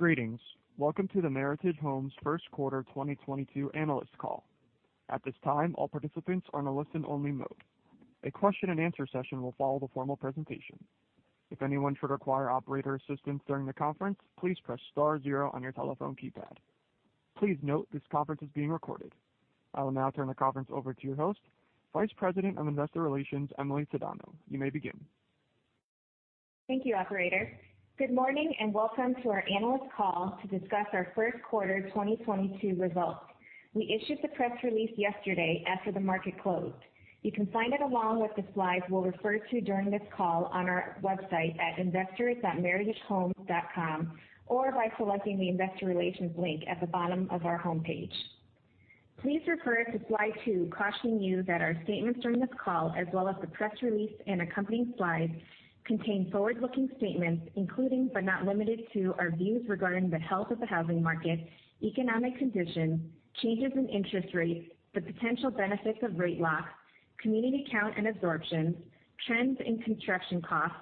Greetings. Welcome to the Meritage Homes First Quarter 2022 Analyst Call. At this time, all participants are in a listen-only mode. A question and answer session will follow the formal presentation. If anyone should require operator assistance during the conference, please press star zero on your telephone keypad. Please note, this conference is being recorded. I will now turn the conference over to your host, Vice President of Investor Relations, Emily Tadano. You may begin. Thank you, operator. Good morning, and welcome to our analyst call to discuss our first quarter 2022 results. We issued the press release yesterday after the market closed. You can find it along with the slides we'll refer to during this call on our website at investors.meritagehomes.com or by selecting the Investor Relations link at the bottom of our homepage. Please refer to slide two, cautioning you that our statements during this call, as well as the press release and accompanying slides, contain forward-looking statements, including but not limited to our views regarding the health of the housing market, economic conditions, changes in interest rates, the potential benefits of rate locks, community count and absorption, trends in construction costs,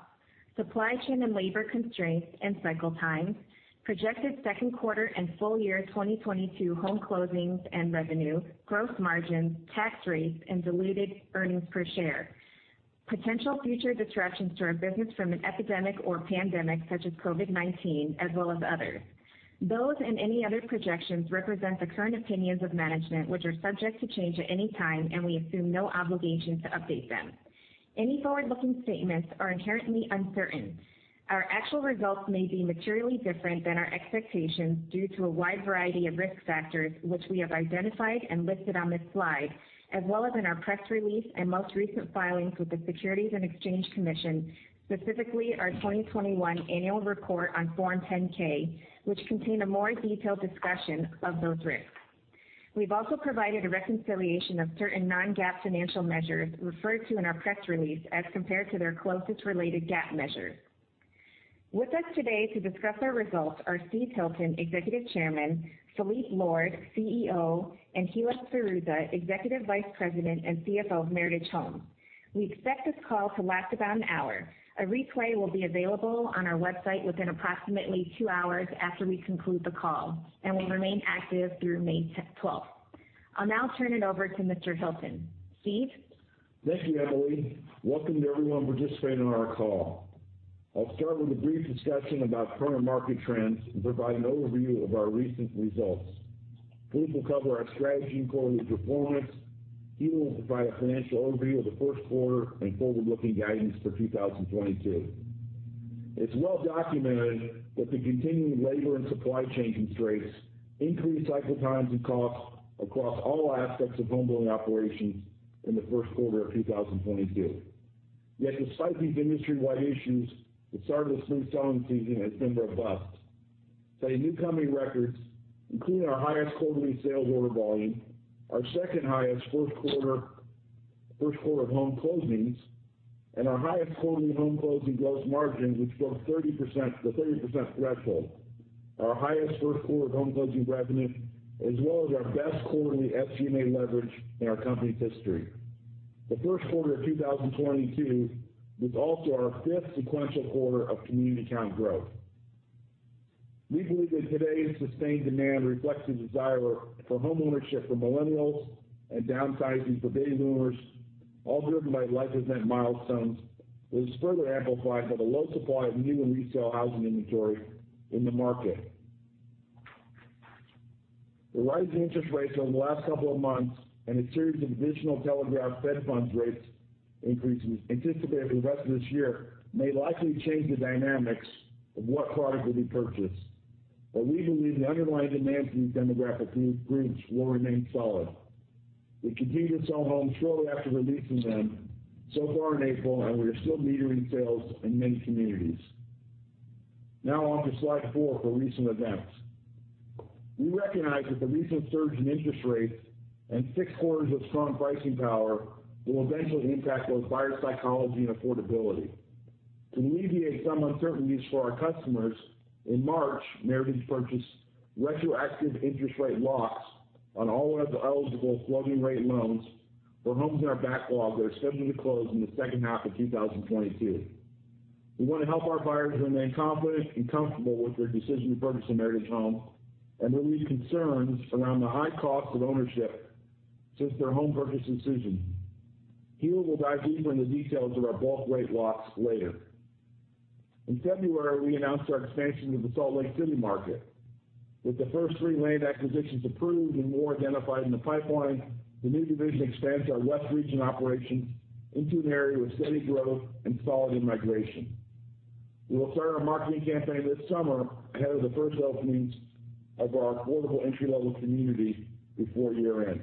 supply chain and labor constraints and cycle times, projected second quarter and full year 2022 home closings and revenue, gross margin, tax rates, and diluted earnings per share. Potential future distractions to our business from an epidemic or pandemic such as COVID-19, as well as others. Those and any other projections represent the current opinions of management, which are subject to change at any time, and we assume no obligation to update them. Any forward-looking statements are inherently uncertain. Our actual results may be materially different than our expectations due to a wide variety of risk factors, which we have identified and listed on this slide, as well as in our press release and most recent filings with the Securities and Exchange Commission, specifically our 2021 Annual Report on Form 10-K, which contain a more detailed discussion of those risks. We've also provided a reconciliation of certain non-GAAP financial measures referred to in our press release as compared to their closest related GAAP measures. With us today to discuss our results are Steve Hilton, Executive Chairman, Phillippe Lord, CEO, and Hilla Sferruzza, Executive Vice President and CFO of Meritage Homes. We expect this call to last about an hour. A replay will be available on our website within approximately 2 hours after we conclude the call and will remain active through May 12th. I'll now turn it over to Mr. Hilton. Steve? Thank you, Emily. Welcome to everyone participating on our call. I'll start with a brief discussion about current market trends and provide an overview of our recent results. Philippe will cover our strategy and quarterly performance. Hilla will provide a financial overview of the first quarter and forward-looking guidance for 2022. It's well documented that the continuing labor and supply chain constraints increased cycle times and costs across all aspects of homebuilding operations in the first quarter of 2022. Yet despite these industry-wide issues, the start of the spring selling season has been robust, setting new company records, including our highest quarterly sales order volume, our second-highest first quarter, first quarter of home closings, and our highest quarterly home closing gross margin, which broke 30%, the 30% threshold. Our highest first quarter of home closing revenue, as well as our best quarterly SG&A leverage in our company's history. The first quarter of 2022 was also our fifth sequential quarter of community count growth. We believe that today's sustained demand reflects the desire for homeownership for millennials and downsizing for baby boomers, all driven by life event milestones, which is further amplified by the low supply of new and resale housing inventory in the market. The rise in interest rates over the last couple of months and a series of additional telegraphed Fed Funds rates increases anticipated for the rest of this year may likely change the dynamics of what product will be purchased. We believe the underlying demand from these demographic groups will remain solid. We continue to sell homes shortly after releasing them so far in April, and we are still metering sales in many communities. Now on to slide four for recent events. We recognize that the recent surge in interest rates and 6 quarters of strong pricing power will eventually impact both buyer psychology and affordability. To alleviate some uncertainties for our customers, in March, Meritage purchased retroactive interest rate locks on all eligible floating-rate loans for homes in our backlog that are scheduled to close in the second half of 2022. We want to help our buyers remain confident and comfortable with their decision to purchase a Meritage home and relieve concerns around the high cost of ownership since their home purchase decision. Hilla will dive deeper into details of our bulk rate locks later. In February, we announced our expansion to the Salt Lake City market. With the first 3 land acquisitions approved and more identified in the pipeline, the new division expands our West Region operations into an area with steady growth and solid immigration. We will start our marketing campaign this summer ahead of the first openings of our affordable entry-level community before year-end.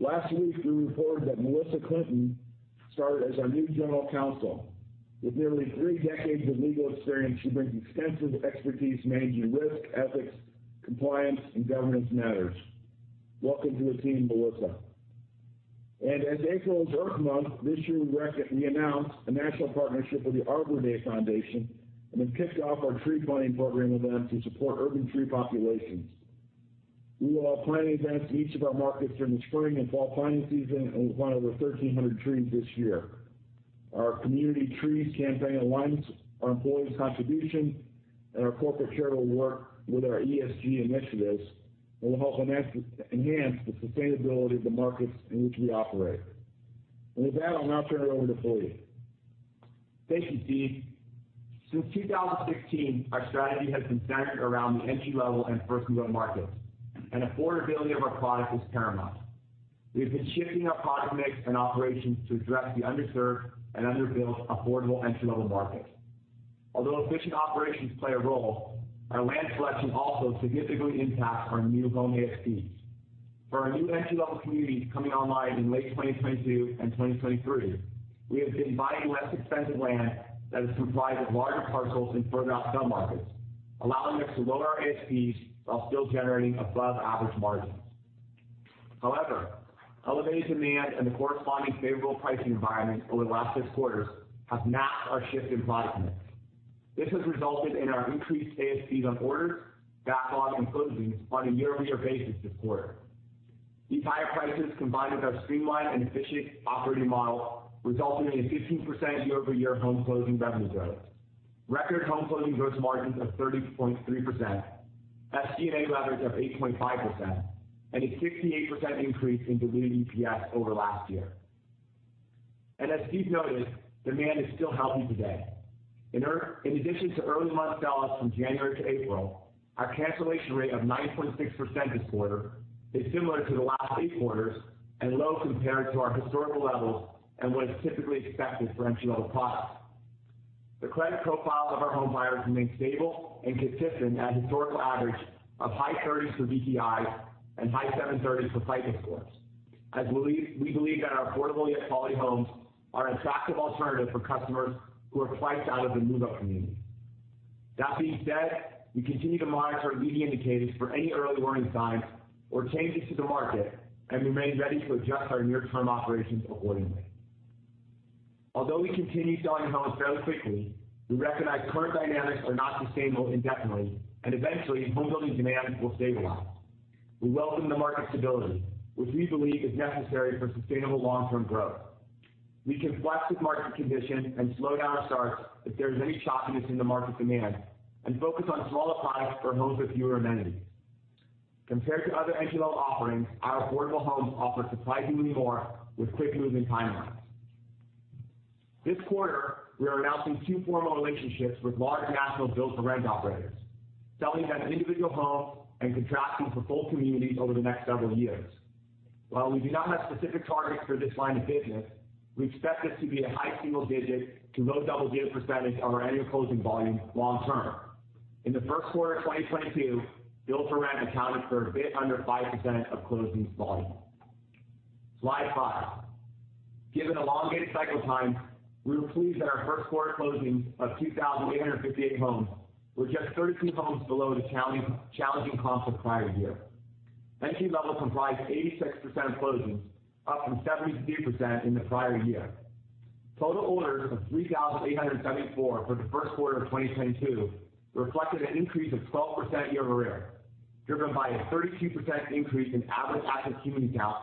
Last week, we reported that Malissia Clinton started as our new General Counsel. With nearly three decades of legal experience, she brings extensive expertise managing risk, ethics, compliance, and governance matters. Welcome to the team, Melissa. As April is Earth Month, this year, we announced a national partnership with the Arbor Day Foundation and then kicked off our tree planting program event to support urban tree populations. We will have planting events in each of our markets during the spring and fall planting season and plant over 1,300 trees this year. Our Community Trees Campaign aligns our employees' contribution and our corporate charitable work with our ESG initiatives, and will help enhance the sustainability of the markets in which we operate. With that, I'll now turn it over to Phillippe. Thank you, Steve. Since 2016, our strategy has been centered around the entry-level and first move-up markets, and affordability of our products is paramount. We have been shifting our product mix and operations to address the underserved and underbuilt affordable entry-level markets. Although efficient operations play a role, our land selection also significantly impacts our new home ASPs. For our new entry-level communities coming online in late 2022 and 2023, we have been buying less expensive land that is comprised of larger parcels in further out submarkets, allowing us to lower our ASPs while still generating above average margins. However, elevated demand and the corresponding favorable pricing environment over the last 6 quarters have masked our shift in product mix. This has resulted in our increased ASPs on orders, backlog, and closings on a year-over-year basis this quarter. These higher prices, combined with our streamlined and efficient operating model, resulted in a 15% year-over-year home closing revenue growth, record home closing gross margins of 30.3%, SG&A leverage of 8.5%, and a 68% increase in diluted EPS over last year. As Steve noted, demand is still healthy today. In addition to early month sellouts from January to April, our cancellation rate of 9.6% this quarter is similar to the last eight quarters and low compared to our historical levels and what is typically expected for entry-level products. The credit profiles of our home buyers remain stable and consistent at a historical average of high thirties for DTIs and high seven-thirties for FICO scores. We believe that our affordable quality homes are an attractive alternative for customers who are priced out of the move-up community. That being said, we continue to monitor leading indicators for any early warning signs or changes to the market and remain ready to adjust our near-term operations accordingly. Although we continue selling homes fairly quickly, we recognize current dynamics are not sustainable indefinitely, and eventually, homebuilding demand will stabilize. We welcome the market stability, which we believe is necessary for sustainable long-term growth. We can flex with market conditions and slow down our starts if there is any choppiness in the market demand and focus on smaller products or homes with fewer amenities. Compared to other entry-level offerings, our affordable homes offer surprisingly more with quick move-in timelines. This quarter, we are announcing two formal relationships with large national build-to-rent operators, selling them individual homes and contracting for full communities over the next several years. While we do not have specific targets for this line of business, we expect this to be a high single-digit to low double-digit percentage of our annual closing volume long term. In the first quarter of 2022, build-to-rent accounted for a bit under 5% of closings volume. Slide 5. Given elongated cycle times, we were pleased that our first quarter closings of 2,858 homes were just 32 homes below the challenging comp the prior year. Entry-level comprised 86% of closings, up from 72% in the prior year. Total orders of 3,874 for the first quarter of 2022 reflected an increase of 12% year-over-year, driven by a 32% increase in average active community count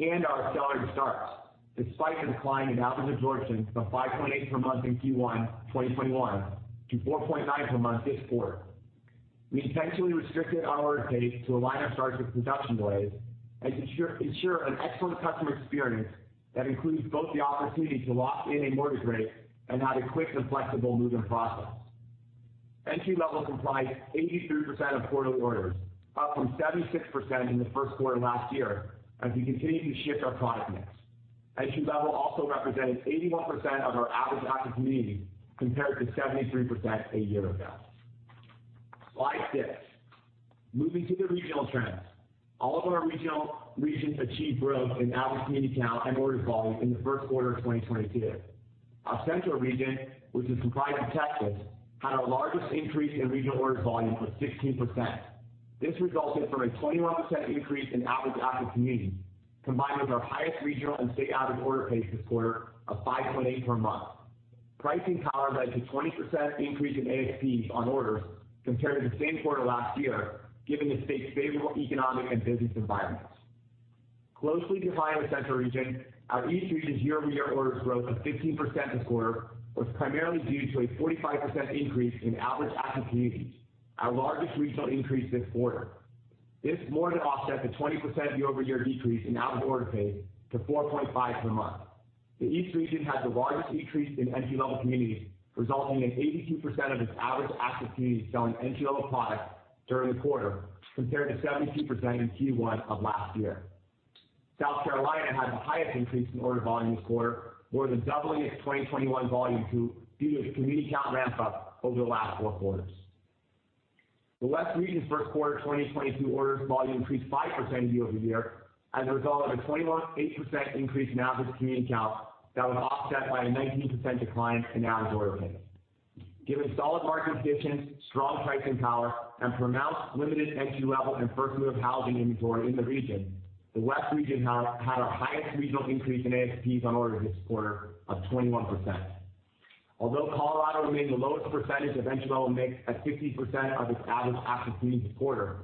and our accelerated starts despite a decline in average absorption from 5.8 per month in Q1 2021 to 4.9 per month this quarter. We intentionally restricted our order pace to align our starts with production delays and ensure an excellent customer experience that includes both the opportunity to lock in a mortgage rate and have a quick and flexible move-in process. Entry-level comprised 83% of quarter orders, up from 76% in the first quarter last year as we continue to shift our product mix. Entry-level also represented 81% of our average active communities, compared to 73% a year ago. Slide 6. Moving to the regional trends. All of our regions achieved growth in average community count and orders volume in the first quarter of 2022. Our Central region, which is comprised of Texas, had our largest increase in regional orders volume of 16%. This resulted from a 21% increase in average active communities, combined with our highest regional and state average order pace this quarter of 5.8 per month. Pricing power led to 20% increase in ASPs on orders compared to the same quarter last year, given the state's favorable economic and business environment. Closely behind the Central region, our East region's year-over-year orders growth of 15% this quarter was primarily due to a 45% increase in average active communities, our largest regional increase this quarter. This more than offset the 20% year-over-year decrease in average order pace to 4.5 per month. The East region had the largest increase in entry-level communities, resulting in 82% of its average active communities selling entry-level products during the quarter compared to 72% in Q1 of last year. South Carolina had the highest increase in order volume this quarter, more than doubling its 2021 volume due to its community count ramp-up over the last four quarters. The West region's first quarter 2022 orders volume increased 5% year-over-year as a result of a 21.8% increase in average community count that was offset by a 19% decline in average order pace. Given solid market conditions, strong pricing power, and pronounced limited entry-level and first move-up housing inventory in the region, the West region had our highest regional increase in ASPs on orders this quarter of 21%. Although Colorado remained the lowest percentage of entry-level mix at 50% of its average active communities quarter,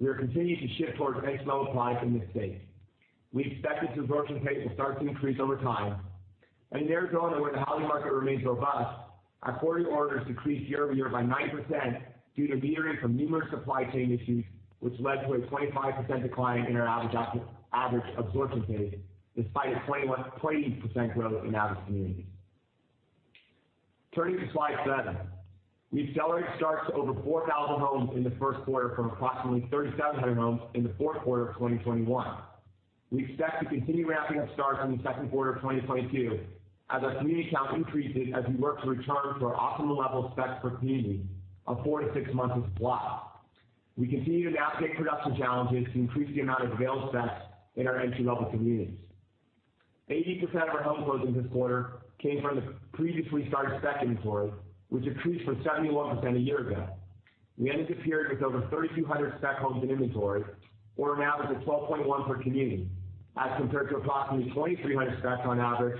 we are continuing to shift towards entry-level product in this state. We expect this absorption pace will start to increase over time. In Arizona, where the housing market remains robust, our 40 orders decreased year-over-year by 9% due to metering from numerous supply chain issues, which led to a 25% decline in our average absorption pace despite a 28% growth in average communities. Turning to slide seven. We accelerated starts to over 4,000 homes in the first quarter from approximately 3,700 homes in the fourth quarter of 2021. We expect to continue ramping up starts in the second quarter of 2022 as our community count increases as we work to return to our optimal level of specs per community of 4 months-6 months of supply. We continue to navigate production challenges to increase the amount of available specs in our entry-level communities. 80% of our home closings this quarter came from the previously started spec inventory, which increased from 71% a year ago. We ended the period with over 3,200 spec homes in inventory or an average of 12.1 per community as compared to approximately 2,300 specs on average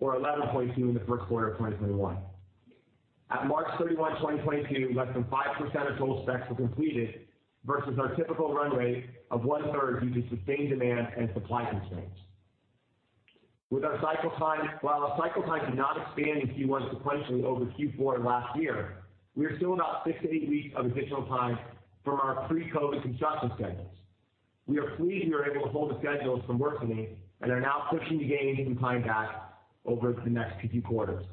or 11.2 in the first quarter of 2021. At March 31, 2022, less than 5% of total specs were completed versus our typical run rate of 1/3 due to sustained demand and supply constraints. While our cycle time did not expand in Q1 sequentially over Q4 last year, we are still about 6 weeks-8 weeks of additional time from our pre-COVID construction schedules. We are pleased we are able to hold the schedules from worsening and are now pushing to gain some time back over the next few quarters.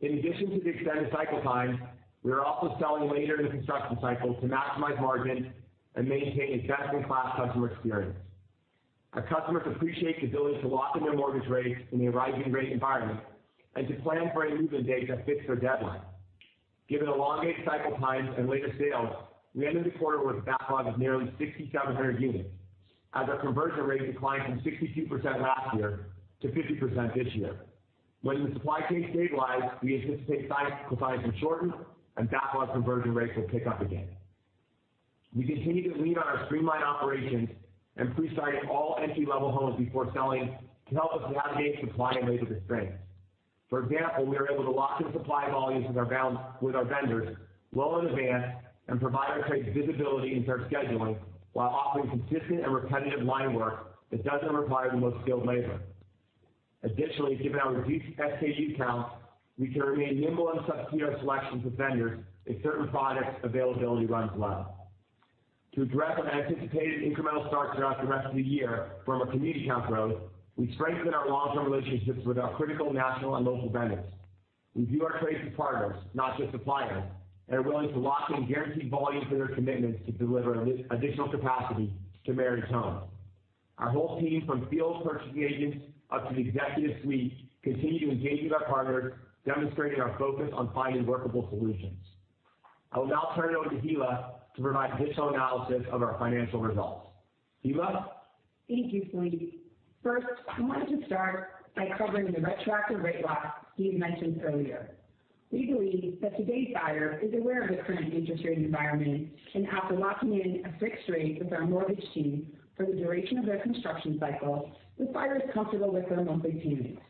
In addition to the extended cycle time, we are also selling later in the construction cycle to maximize margin and maintain a best-in-class customer experience. Our customers appreciate the ability to lock in their mortgage rates in the rising rate environment and to plan for a move-in date that fits their deadline. Given elongated cycle times and later sales, we ended the quarter with a backlog of nearly 6,700 units as our conversion rate declined from 62% last year to 50% this year. When the supply chain stabilize, we anticipate cycle times will shorten and backlog conversion rates will pick up again. We continue to lean on our streamlined operations and pre-siting all entry-level homes before selling to help us navigate supply and labor constraints. For example, we are able to lock in supply volumes with our vendors well in advance and provide our trades visibility into our scheduling, while offering consistent and repetitive line work that doesn't require the most skilled labor. Additionally, given our reduced SKU count, we can remain nimble and substitute our selections with vendors if certain product availability runs low. To address our anticipated incremental starts throughout the rest of the year from a community count growth, we strengthened our long-term relationships with our critical national and local vendors. We view our trades as partners, not just suppliers, and are willing to lock in guaranteed volumes for their commitments to deliver additional capacity to Meritage Homes. Our whole team, from field purchasing agents up to the executive suite, continue to engage with our partners, demonstrating our focus on finding workable solutions. I will now turn it over to Hilla to provide additional analysis of our financial results. Hilla. Thank you, Phillippe. First, I wanted to start by covering the retroactive rate locks Phillippe mentioned earlier. We believe that today's buyer is aware of the current interest rate environment and after locking in a fixed rate with our mortgage team for the duration of their construction cycle, the buyer is comfortable with their monthly payments.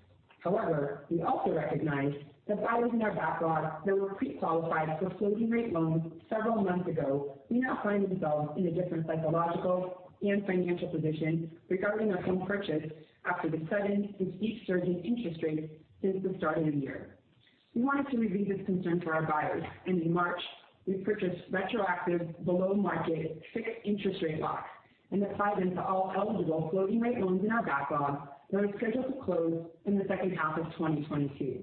However, we also recognize that buyers in our backlog that were pre-qualified for floating rate loans several months ago may now find themselves in a different psychological and financial position regarding their home purchase after the sudden and steep surge in interest rates since the start of the year. We wanted to relieve this concern for our buyers, and in March, we purchased retroactive below-market fixed interest rate locks and applied them to all eligible floating rate loans in our backlog that are scheduled to close in the second half of 2022.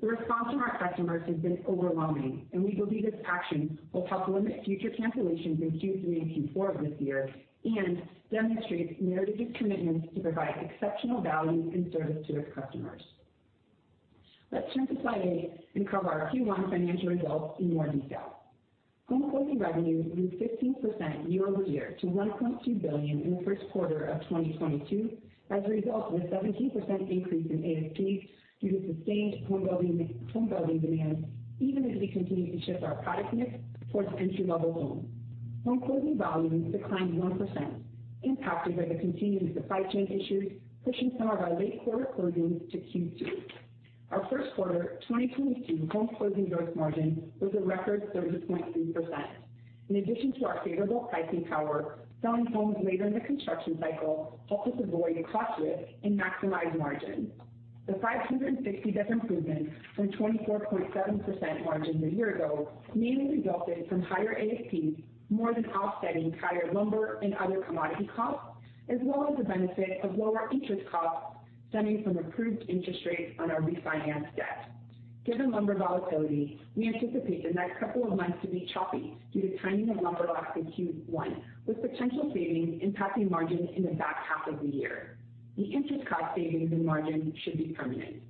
The response from our customers has been overwhelming, and we believe this action will help limit future cancellations in Q3 and Q4 of this year and demonstrates Meritage's commitment to provide exceptional value and service to its customers. Let's turn to slide 8 and cover our Q1 financial results in more detail. Home closing revenues grew 15% year-over-year to $1.2 billion in the first quarter of 2022 as a result of a 17% increase in ASP due to sustained homebuilding demand, even as we continue to shift our product mix towards entry-level homes. Home closing volumes declined 1%, impacted by the continuing supply chain issues, pushing some of our late quarter closings to Q2. Our first quarter 2022 home closing gross margin was a record 30.3%. In addition to our favorable pricing power, selling homes later in the construction cycle helped us avoid cost risk and maximize margins. The 560 basis points improvement from 24.7% margin a year ago mainly resulted from higher ASPs more than offsetting higher lumber and other commodity costs as well as the benefit of lower interest costs stemming from improved interest rates on our refinanced debt. Given lumber volatility, we anticipate the next couple of months to be choppy due to timing of lumber locked in Q1, with potential savings impacting margins in the back half of the year. The interest cost savings and margins should be permanent.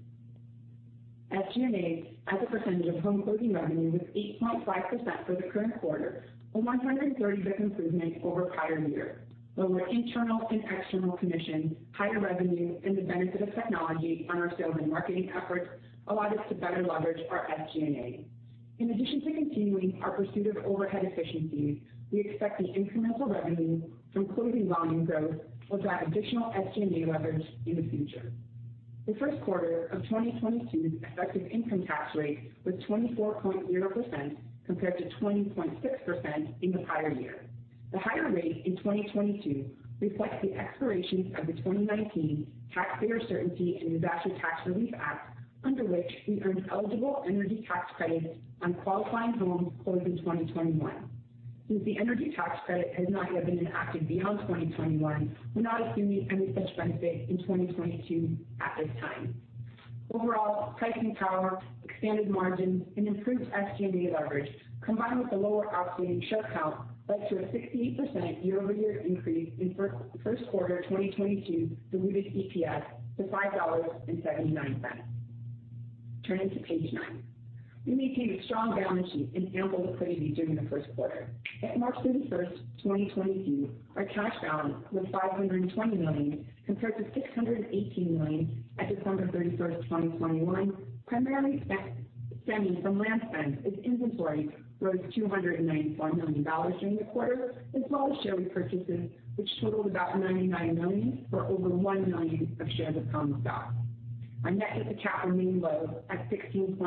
SG&A as a percentage of home closing revenue was 8.5% for the current quarter, a 130 basis points improvement over prior year. Lower internal and external commissions, higher revenue, and the benefit of technology on our sales and marketing efforts allowed us to better leverage our SG&A. In addition to continuing our pursuit of overhead efficiencies, we expect the incremental revenue from closing volume growth will drive additional SG&A leverage in the future. The first quarter of 2022's effective income tax rate was 24.0% compared to 20.6% in the prior year. The higher rate in 2022 reflects the expiration of the 2019 Taxpayer Certainty and Disaster Tax Relief Act, under which we earned eligible energy tax credits on qualifying homes closed in 2021. Since the energy tax credit has not yet been enacted beyond 2021, we're not assuming any such benefit in 2022 at this time. Overall, pricing power, expanded margins and improved SG&A leverage, combined with the lower outstanding share count, led to a 68% year-over-year increase in first quarter 2022 diluted EPS to $5.79. Turning to page nine. We maintained a strong balance sheet and ample liquidity during the first quarter. At March 31, 2022, our cash balance was $520 million, compared to $618 million at December 31, 2021, primarily stemming from land spend as inventory rose $291 million during the quarter, as well as share repurchases, which totaled about $99 million, or over 1 million shares of common stock. Our net debt to capital remained low at 16.9%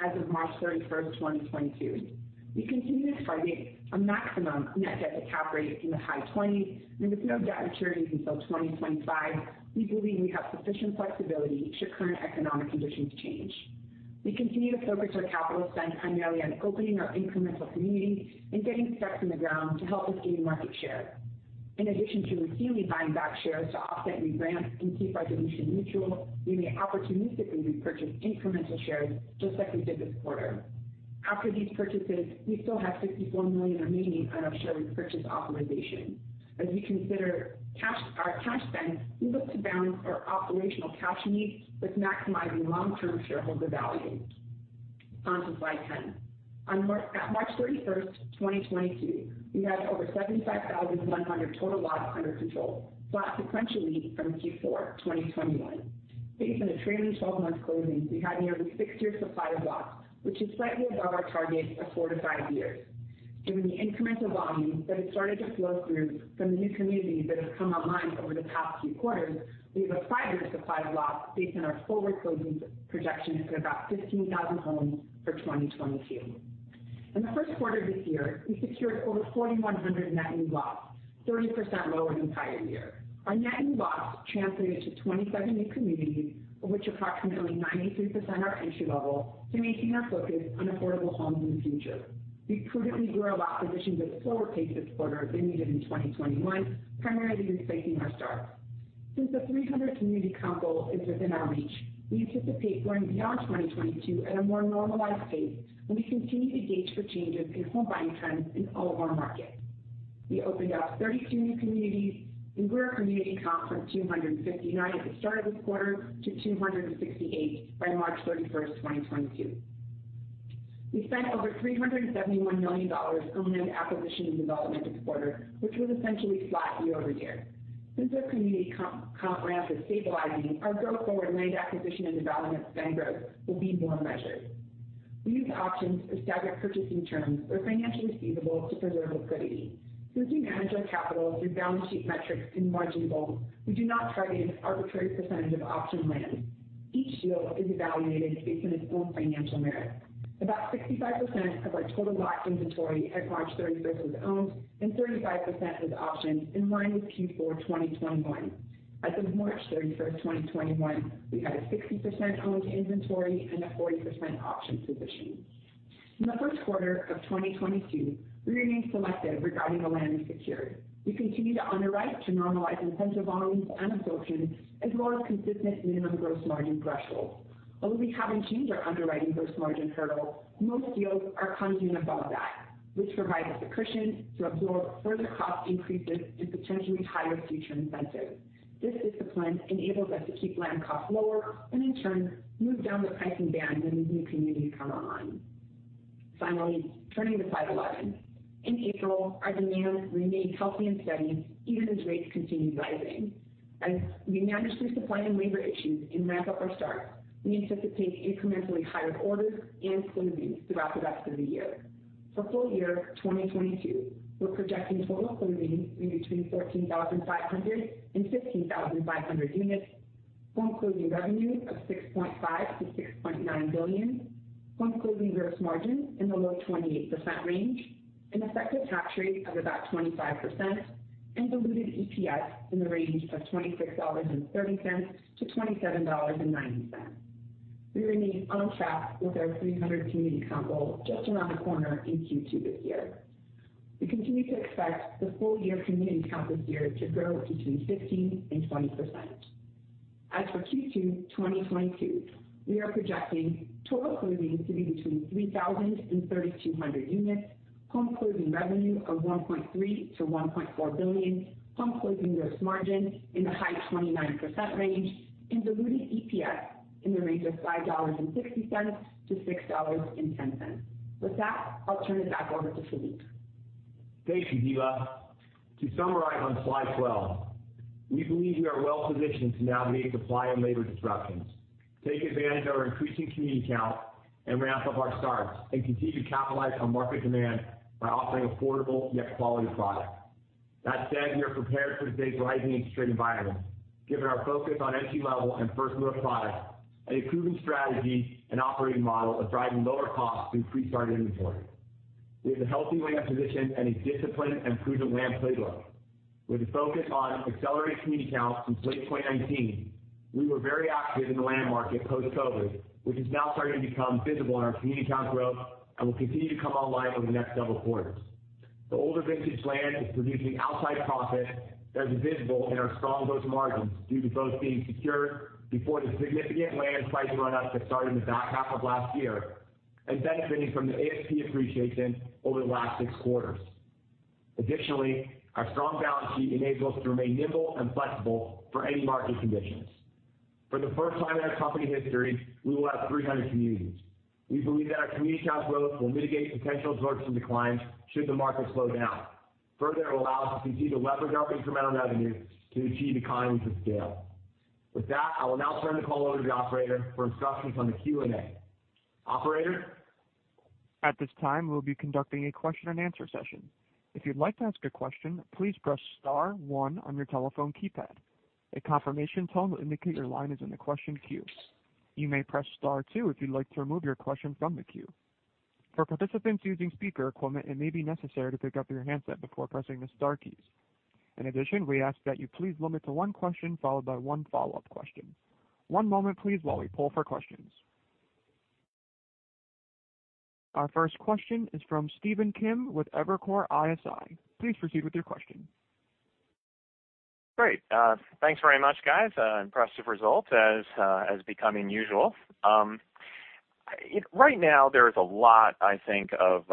as of March 31, 2022. We continue to target a maximum net debt to cap rate in the high 20s, and with no debt maturities until 2025, we believe we have sufficient flexibility should current economic conditions change. We continue to focus our capital spend primarily on opening our incremental communities and getting specs in the ground to help us gain market share. In addition to routinely buying back shares to offset new grants and keep our dilution neutral, we may opportunistically repurchase incremental shares just like we did this quarter. After these purchases, we still have $64 million remaining on our share repurchase authorization. As we consider cash, our cash spend, we look to balance our operational cash needs with maximizing long-term shareholder value. On to slide 10. At March 31, 2022, we had over 75,100 total lots under control, flat sequentially from Q4 2021. Based on a trailing twelve-month closing, we had nearly 6 years supply of lots, which is slightly above our target of 4 years-5 years. Given the incremental volume that has started to flow through from the new communities that have come online over the past few quarters, we have a 5-year supply of lots based on our full year closing projections of about 15,000 homes for 2022. In the first quarter of this year, we secured over 4,100 net new lots, 30% lower than prior year. Our net new lots translated to 27 new communities, of which approximately 93% are entry-level to maintain our focus on affordable homes in the future. We prudently grew our lot positions at a slower pace this quarter than we did in 2021, primarily in spacing our starts. Since the 300 community count goal is within our reach, we anticipate growing beyond 2022 at a more normalized pace, and we continue to gauge for changes in home buying trends in all of our markets. We opened up 32 new communities and grew our community count from 259 at the start of this quarter to 268 by March 31, 2022. We spent over $371 million on land acquisition and development this quarter, which was essentially flat year-over-year. Since our community count ramp is stabilizing, our go-forward land acquisition and development spend growth will be more measured. We use options or staggered purchasing terms or financial receivables to preserve liquidity. Since we manage our capital through balance sheet metrics and margin goals, we do not target an arbitrary percentage of optioned land. Each deal is evaluated based on its own financial merit. About 65% of our total lot inventory at March 31 was owned and 35% was optioned, in line with Q4 2021. As of March 31, 2021, we had a 60% owned inventory and a 40% optioned position. In the first quarter of 2022, we remain selective regarding the land we secure. We continue to underwrite to normalize incentive volumes and absorption as well as consistent minimum gross margin thresholds. Although we haven't changed our underwriting gross margin hurdle, most deals are coming in above that, which provides us a cushion to absorb further cost increases and potentially higher future incentives. This discipline enables us to keep land costs lower and in turn, move down the pricing band when new communities come online. Finally, turning to slide 11. In April, our demand remained healthy and steady even as rates continued rising. As we manage through supply and labor issues and ramp up our starts, we anticipate incrementally higher orders and closings throughout the rest of the year. For full year 2022, we're projecting total closings in between 14,500 and 15,500 units, home closing revenue of $6.5 billion-$6.9 billion, home closing gross margin in the low 28% range, an effective tax rate of about 25%, and diluted EPS in the range of $26.30-$27.90. We remain on track with our 300 community count goal just around the corner in Q2 this year. We continue to expect the full year community count this year to grow between 15%-20%. As for Q2 2022, we are projecting total closings to be between 3,000 and 3,200 units, home closing revenue of $1.3 billion-$1.4 billion, home closing gross margin in the high 29% range, and diluted EPS in the range of $5.60-$6.10. With that, I'll turn it back over to Phillippe. Thank you, Hilla. To summarize on slide 12, we believe we are well positioned to navigate supply and labor disruptions, take advantage of our increasing community count, and ramp up our starts, and continue to capitalize on market demand by offering affordable yet quality product. That said, we are prepared for today's rising interest rate environment, given our focus on entry-level and first move-up products and a proven strategy and operating model of driving lower costs through pre-started inventory. We have a healthy land position and a disciplined and proven land playbook. With a focus on accelerating community count since late 2019, we were very active in the land market post-COVID-19, which is now starting to become visible in our community count growth and will continue to come online over the next several quarters. The older vintage land is producing outsized profits that is visible in our strong gross margins due to those being secured before the significant land price run ups that started in the back half of last year and benefiting from the ASP appreciation over the last six quarters. Additionally, our strong balance sheet enables us to remain nimble and flexible for any market conditions. For the first time in our company history, we will have 300 communities. We believe that our community count growth will mitigate potential absorption declines should the market slow down. Further, it will allow us to continue to leverage our incremental revenue to achieve economies of scale. With that, I will now turn the call over to the operator for instructions on the Q&A. Operator? At this time, we'll be conducting a question and answer session. If you'd like to ask a question, please press star one on your telephone keypad. A confirmation tone will indicate your line is in the question queue. You may press star two if you'd like to remove your question from the queue. For participants using speaker equipment, it may be necessary to pick up your handset before pressing the star keys. In addition, we ask that you please limit to one question followed by one follow-up question. One moment please while we poll for questions. Our first question is from Stephen Kim with Evercore ISI. Please proceed with your question. Great. Thanks very much, guys. Impressive results as becoming usual. Right now, there is a lot, I think, of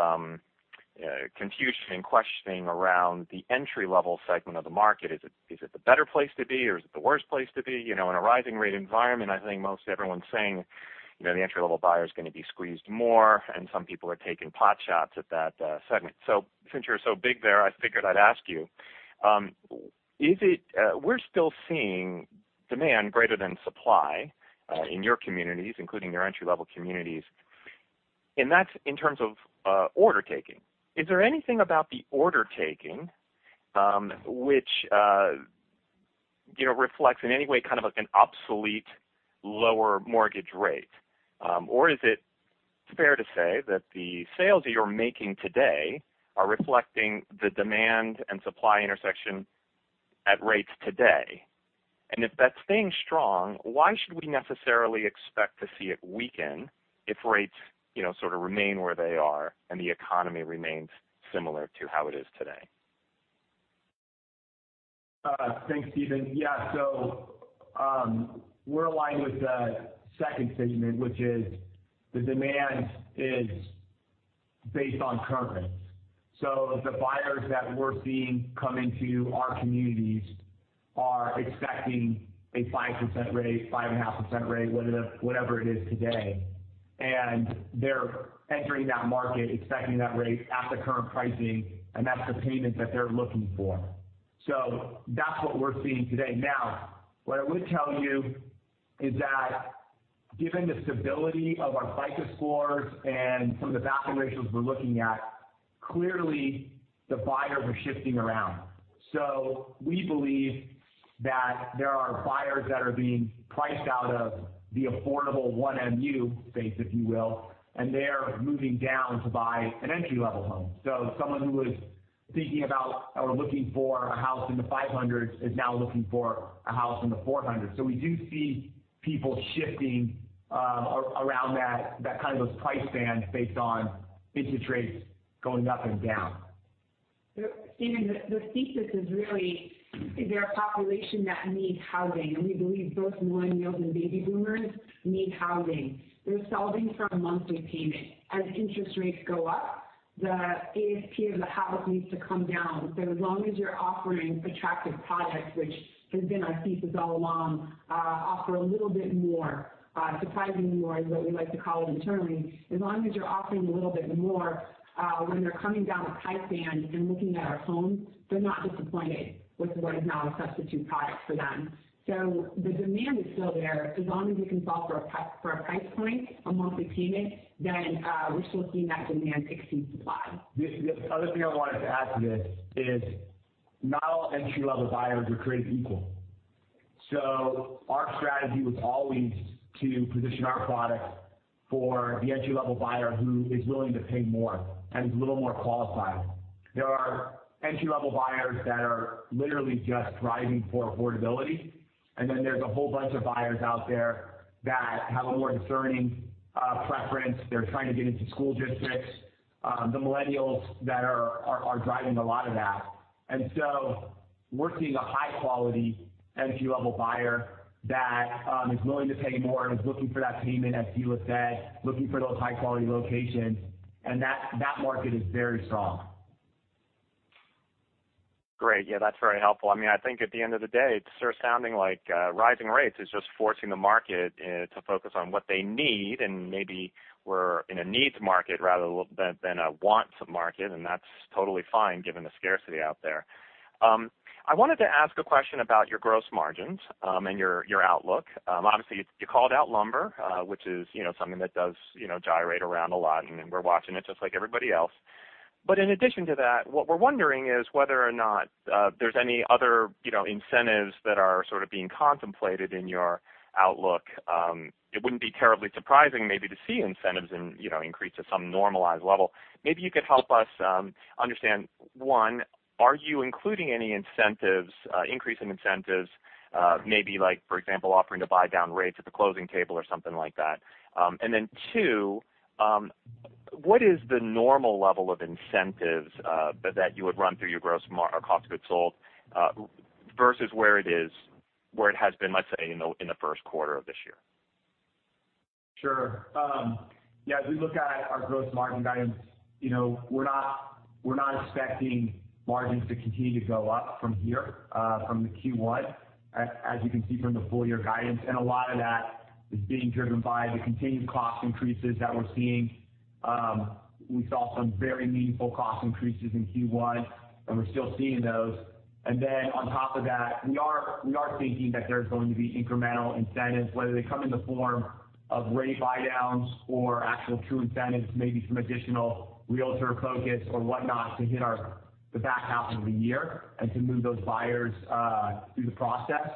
confusion and questioning around the entry-level segment of the market. Is it the better place to be or is it the worst place to be? You know, in a rising rate environment, I think most everyone's saying, you know, the entry-level buyer is gonna be squeezed more, and some people are taking potshots at that segment. Since you're so big there, I figured I'd ask you, is it we're still seeing demand greater than supply in your communities, including your entry-level communities, and that's in terms of order taking. Is there anything about the order taking which you know reflects in any way kind of an obsolete lower mortgage rate? Is it fair to say that the sales that you're making today are reflecting the demand and supply intersection at rates today? If that's staying strong, why should we necessarily expect to see it weaken if rates, you know, sort of remain where they are and the economy remains similar to how it is today? Thanks, Stephen. Yeah. We're aligned with the second statement, which is the demand is based on current. The buyers that we're seeing come into our communities are expecting a 5% rate, 5.5% rate, whatever it is today. They're entering that market expecting that rate at the current pricing, and that's the payment that they're looking for. That's what we're seeing today. Now, what I would tell you is that given the stability of our FICO scores and some of the DTI ratios we're looking at, clearly the buyers are shifting around. We believe that there are buyers that are being priced out of the affordable move-up space, if you will, and they are moving down to buy an entry-level home. Someone who was thinking about or looking for a house in the $500s is now looking for a house in the $400s. We do see people shifting around that kind of a price band based on interest rates going up and down. Stephen, the thesis is really, is there a population that needs housing? We believe both millennials and baby boomers need housing. They're solving for a monthly payment. As interest rates go up, the ASP of the house needs to come down. As long as you're offering attractive products, which has been our thesis all along, offer a little bit more, surprisingly more is what we like to call it internally. As long as you're offering a little bit more, when they're coming down a price band and looking at our homes, they're not disappointed with what is now a substitute product for them. The demand is still there. As long as we can solve for a price point, a monthly payment, then, we're still seeing that demand exceed supply. The other thing I wanted to add to this is not all entry-level buyers are created equal. Our strategy was always to position our product for the entry-level buyer who is willing to pay more and is a little more qualified. There are entry-level buyers that are literally just driving for affordability. There's a whole bunch of buyers out there that have a more discerning preference. They're trying to get into school districts. The millennials that are driving a lot of that. We're seeing a high-quality entry-level buyer that is willing to pay more and is looking for that payment, as Hilla Sferruzza said, looking for those high-quality locations. That market is very strong. Great. Yeah, that's very helpful. I mean, I think at the end of the day, it's sort of sounding like rising rates is just forcing the market to focus on what they need, and maybe we're in a needs market rather than a wants market, and that's totally fine given the scarcity out there. I wanted to ask a question about your gross margins and your outlook. Obviously you called out lumber, which is, you know, something that does, you know, gyrate around a lot, and we're watching it just like everybody else. In addition to that, what we're wondering is whether or not there's any other, you know, incentives that are sort of being contemplated in your outlook. It wouldn't be terribly surprising maybe to see incentives and, you know, increase to some normalized level. Maybe you could help us understand, one, are you including any incentives, increase in incentives, maybe like for example, offering to buy down rates at the closing table or something like that? Two, what is the normal level of incentives that you would run through your gross margin or cost of goods sold, versus where it is, where it has been, let's say in the first quarter of this year? Sure. Yeah, as we look at our gross margin guidance, you know, we're not expecting margins to continue to go up from here from the Q1, as you can see from the full year guidance. A lot of that is being driven by the continued cost increases that we're seeing. We saw some very meaningful cost increases in Q1, and we're still seeing those. Then on top of that, we are thinking that there's going to be incremental incentives, whether they come in the form of rate buydowns or actual true incentives, maybe some additional realtor focus or whatnot to hit the back half of the year and to move those buyers through the process.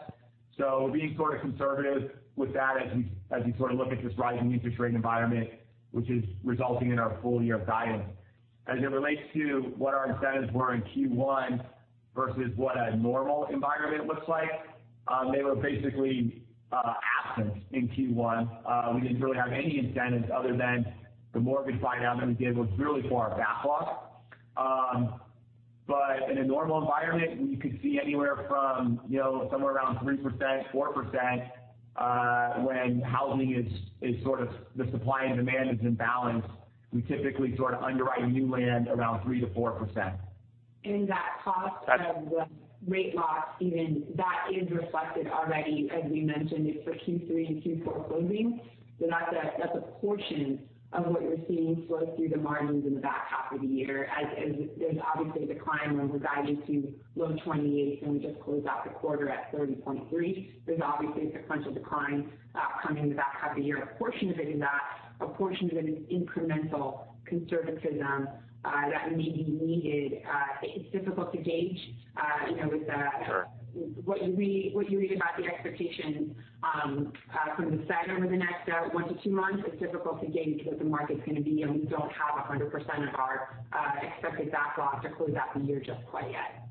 We're being sort of conservative with that as we sort of look at this rising interest rate environment, which is resulting in our full year of guidance. As it relates to what our incentives were in Q1 versus what a normal environment looks like, they were basically absent in Q1. We didn't really have any incentives other than the mortgage buydown that we did was really for our backlog. But in a normal environment, we could see anywhere from, you know, somewhere around 3%, 4%, when housing is sort of the supply and demand is in balance. We typically sort of underwrite new land around 3%-4%. That cost of rate loss, even that is reflected already, as we mentioned, is for Q3 and Q4 closings. That's a portion of what you're seeing flow through the margins in the back half of the year. As there's obviously a decline when we guided to low 28% and we just closed out the quarter at 30.3%. There's obviously a sequential decline coming in the back half of the year. A portion of it is that, a portion of it is incremental conservatism that may be needed. It's difficult to gauge, you know, with the Sure. What you read about the expectation from the Fed over the next one to two months, it's difficult to gauge what the market's gonna be, and we don't have 100% of our expected backlog to close out the year just quite yet.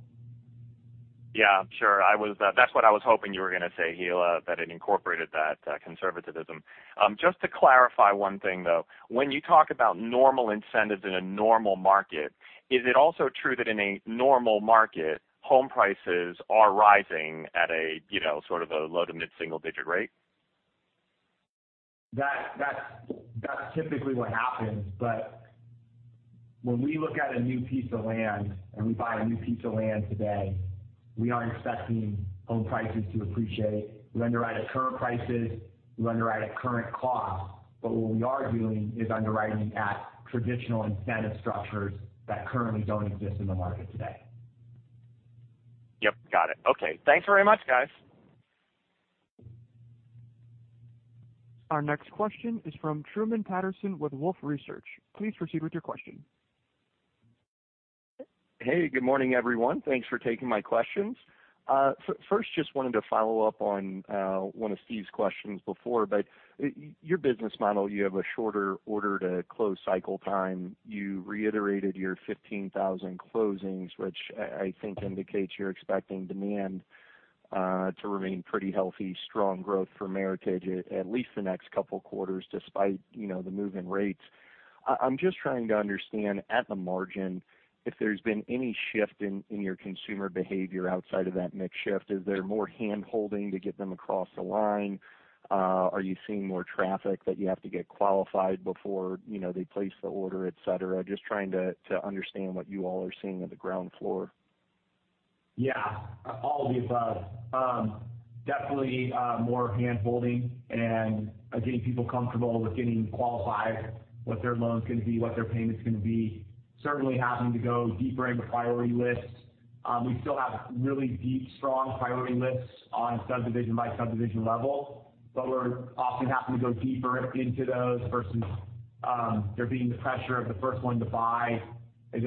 Yeah, sure. I was, That's what I was hoping you were gonna say, Hilla, that it incorporated that conservatism. Just to clarify one thing though, when you talk about normal incentives in a normal market, is it also true that in a normal market, home prices are rising at a, you know, sort of a low to mid single digit rate? That's typically what happens. When we look at a new piece of land and we buy a new piece of land today, we aren't expecting home prices to appreciate. We underwrite at current prices, we underwrite at current cost, but what we are doing is underwriting at traditional incentive structures that currently don't exist in the market today. Yep, got it. Okay. Thanks very much, guys. Our next question is from Truman Patterson with Wolfe Research. Please proceed with your question. Hey, good morning, everyone. Thanks for taking my questions. First, just wanted to follow up on one of Steve's questions before, but your business model, you have a shorter order to close cycle time. You reiterated your 15,000 closings, which I think indicates you're expecting demand to remain pretty healthy, strong growth for Meritage at least the next couple quarters, despite, you know, the move in rates. I'm just trying to understand at the margin if there's been any shift in your consumer behavior outside of that mix shift. Is there more handholding to get them across the line? Are you seeing more traffic that you have to get qualified before, you know, they place the order, etcetera? Just trying to understand what you all are seeing on the ground floor. Yeah. All of the above. Definitely, more handholding and getting people comfortable with getting qualified, what their loan's gonna be, what their payment's gonna be. Certainly having to go deeper into priority lists. We still have really deep, strong priority lists on subdivision by subdivision level, but we're often having to go deeper into those versus there being the pressure of the first one to buy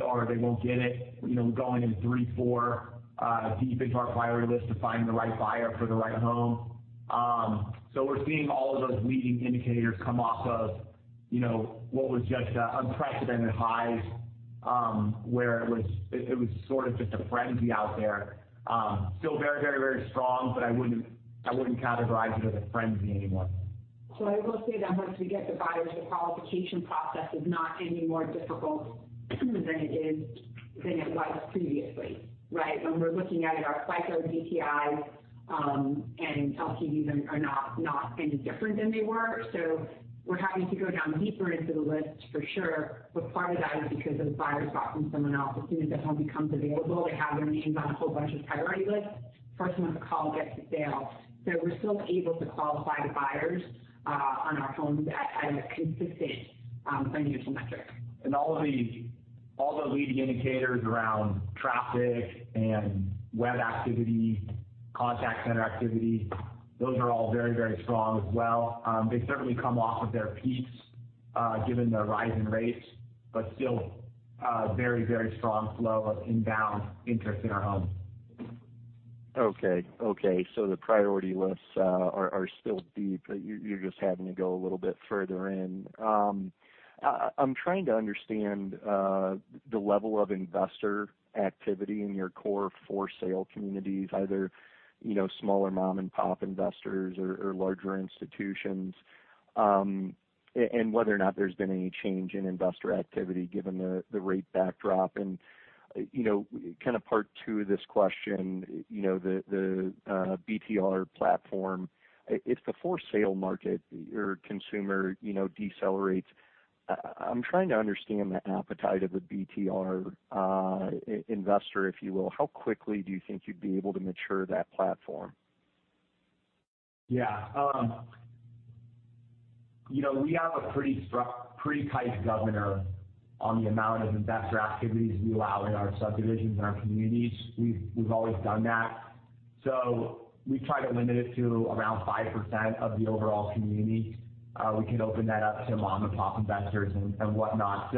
or they won't get it. You know, going in 3, 4 deep into our priority list to find the right buyer for the right home. We're seeing all of those leading indicators come off of, you know, what was just unprecedented highs, where it was, it was sort of just a frenzy out there. Still very, very, very strong, but I wouldn't categorize it as a frenzy anymore. I will say that once we get the buyers, the qualification process is not any more difficult than it was previously, right? When we're looking at it, our FICO, DTI, and LTVs are not any different than they were. We're having to go down deeper into the list for sure, but part of that is because those buyers bought from someone else. As soon as that home becomes available, they have their names on a whole bunch of priority lists. First one to call gets the sale. We're still able to qualify the buyers on our homes at a consistent financial metric. All the leading indicators around traffic and web activity, contact center activity, those are all very, very strong as well. They've certainly come off of their peaks, given the rise in rates, but still, very, very strong flow of inbound interest in our homes. Okay. The priority lists are still deep. You're just having to go a little bit further in. I'm trying to understand the level of investor activity in your core for-sale communities, either, you know, smaller mom-and-pop investors or larger institutions, and whether or not there's been any change in investor activity given the rate backdrop. You know, kind of part two of this question, you know, the BTR platform. If the for-sale market or consumer, you know, decelerates, I'm trying to understand the appetite of the BTR investor, if you will. How quickly do you think you'd be able to mature that platform? Yeah. You know, we have a pretty tight governor on the amount of investor activities we allow in our subdivisions and our communities. We've always done that. We try to limit it to around 5% of the overall community. We can open that up to mom-and-pop investors and whatnot.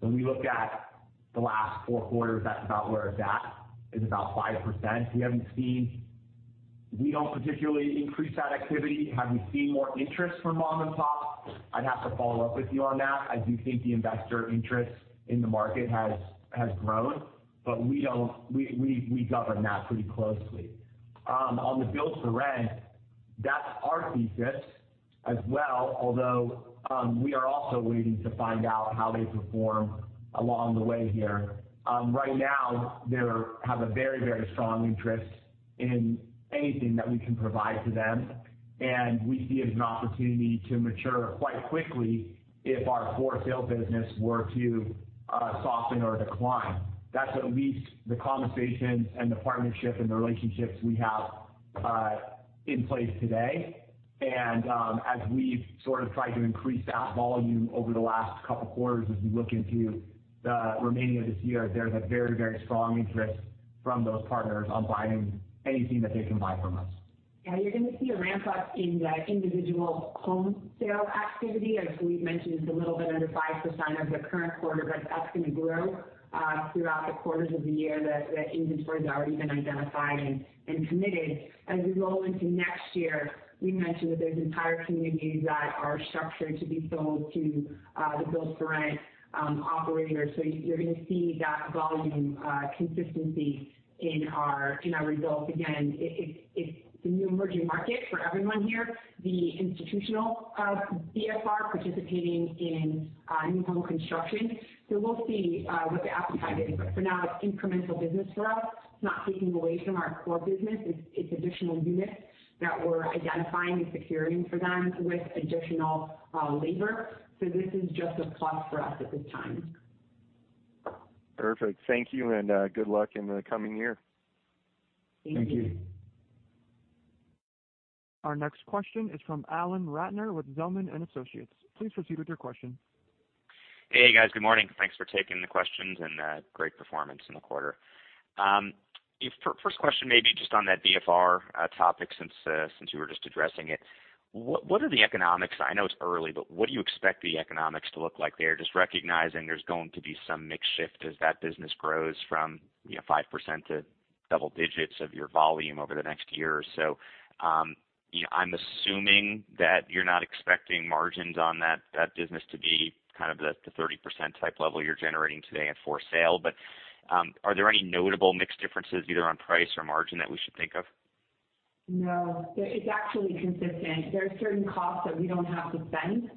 When we look at the last four quarters, that's about where it's at, is about 5%. We haven't seen. We don't particularly increase that activity. Have you seen more interest from mom and pop? I'd have to follow up with you on that. I do think the investor interest in the market has grown, but we govern that pretty closely. On the Build-for-Rent, that's our thesis as well, although we are also waiting to find out how they perform along the way here. Right now, they have a very, very strong interest in anything that we can provide to them, and we see it as an opportunity to mature quite quickly if our for-sale business were to soften or decline. That's at least the conversations and the partnership and the relationships we have in place today. As we've sort of tried to increase that volume over the last couple quarters as we look into the remaining of this year, there's a very, very strong interest from those partners on buying anything that they can buy from us. Yeah, you're gonna see a ramp up in the individual home sale activity. As we've mentioned, it's a little bit under 5% of the current quarter, but that's gonna grow throughout the quarters of the year. The inventory has already been identified and committed. As we roll into next year, we mentioned that there's entire communities that are structured to be sold to the build-to-rent operators. You're gonna see that volume consistency in our results. Again, it's the new emerging market for everyone here, the institutional BFR participating in new home construction. We'll see what the appetite is. For now, it's incremental business for us. It's not taking away from our core business. It's additional units that we're identifying and securing for them with additional labor. This is just a plus for us at this time. Perfect. Thank you, and good luck in the coming year. Thank you. Thank you. Our next question is from Alan Ratner with Zelman & Associates. Please proceed with your question. Hey, guys, good morning. Thanks for taking the questions, and great performance in the quarter. First question maybe just on that BFR topic since you were just addressing it. What are the economics? I know it's early, but what do you expect the economics to look like there, just recognizing there's going to be some mix shift as that business grows from, you know, 5% to double digits of your volume over the next year or so. You know, I'm assuming that you're not expecting margins on that business to be kind of the 30% type level you're generating today at for sale. But are there any notable mix differences either on price or margin that we should think of? No. It's actually consistent. There are certain costs that we don't have to spend,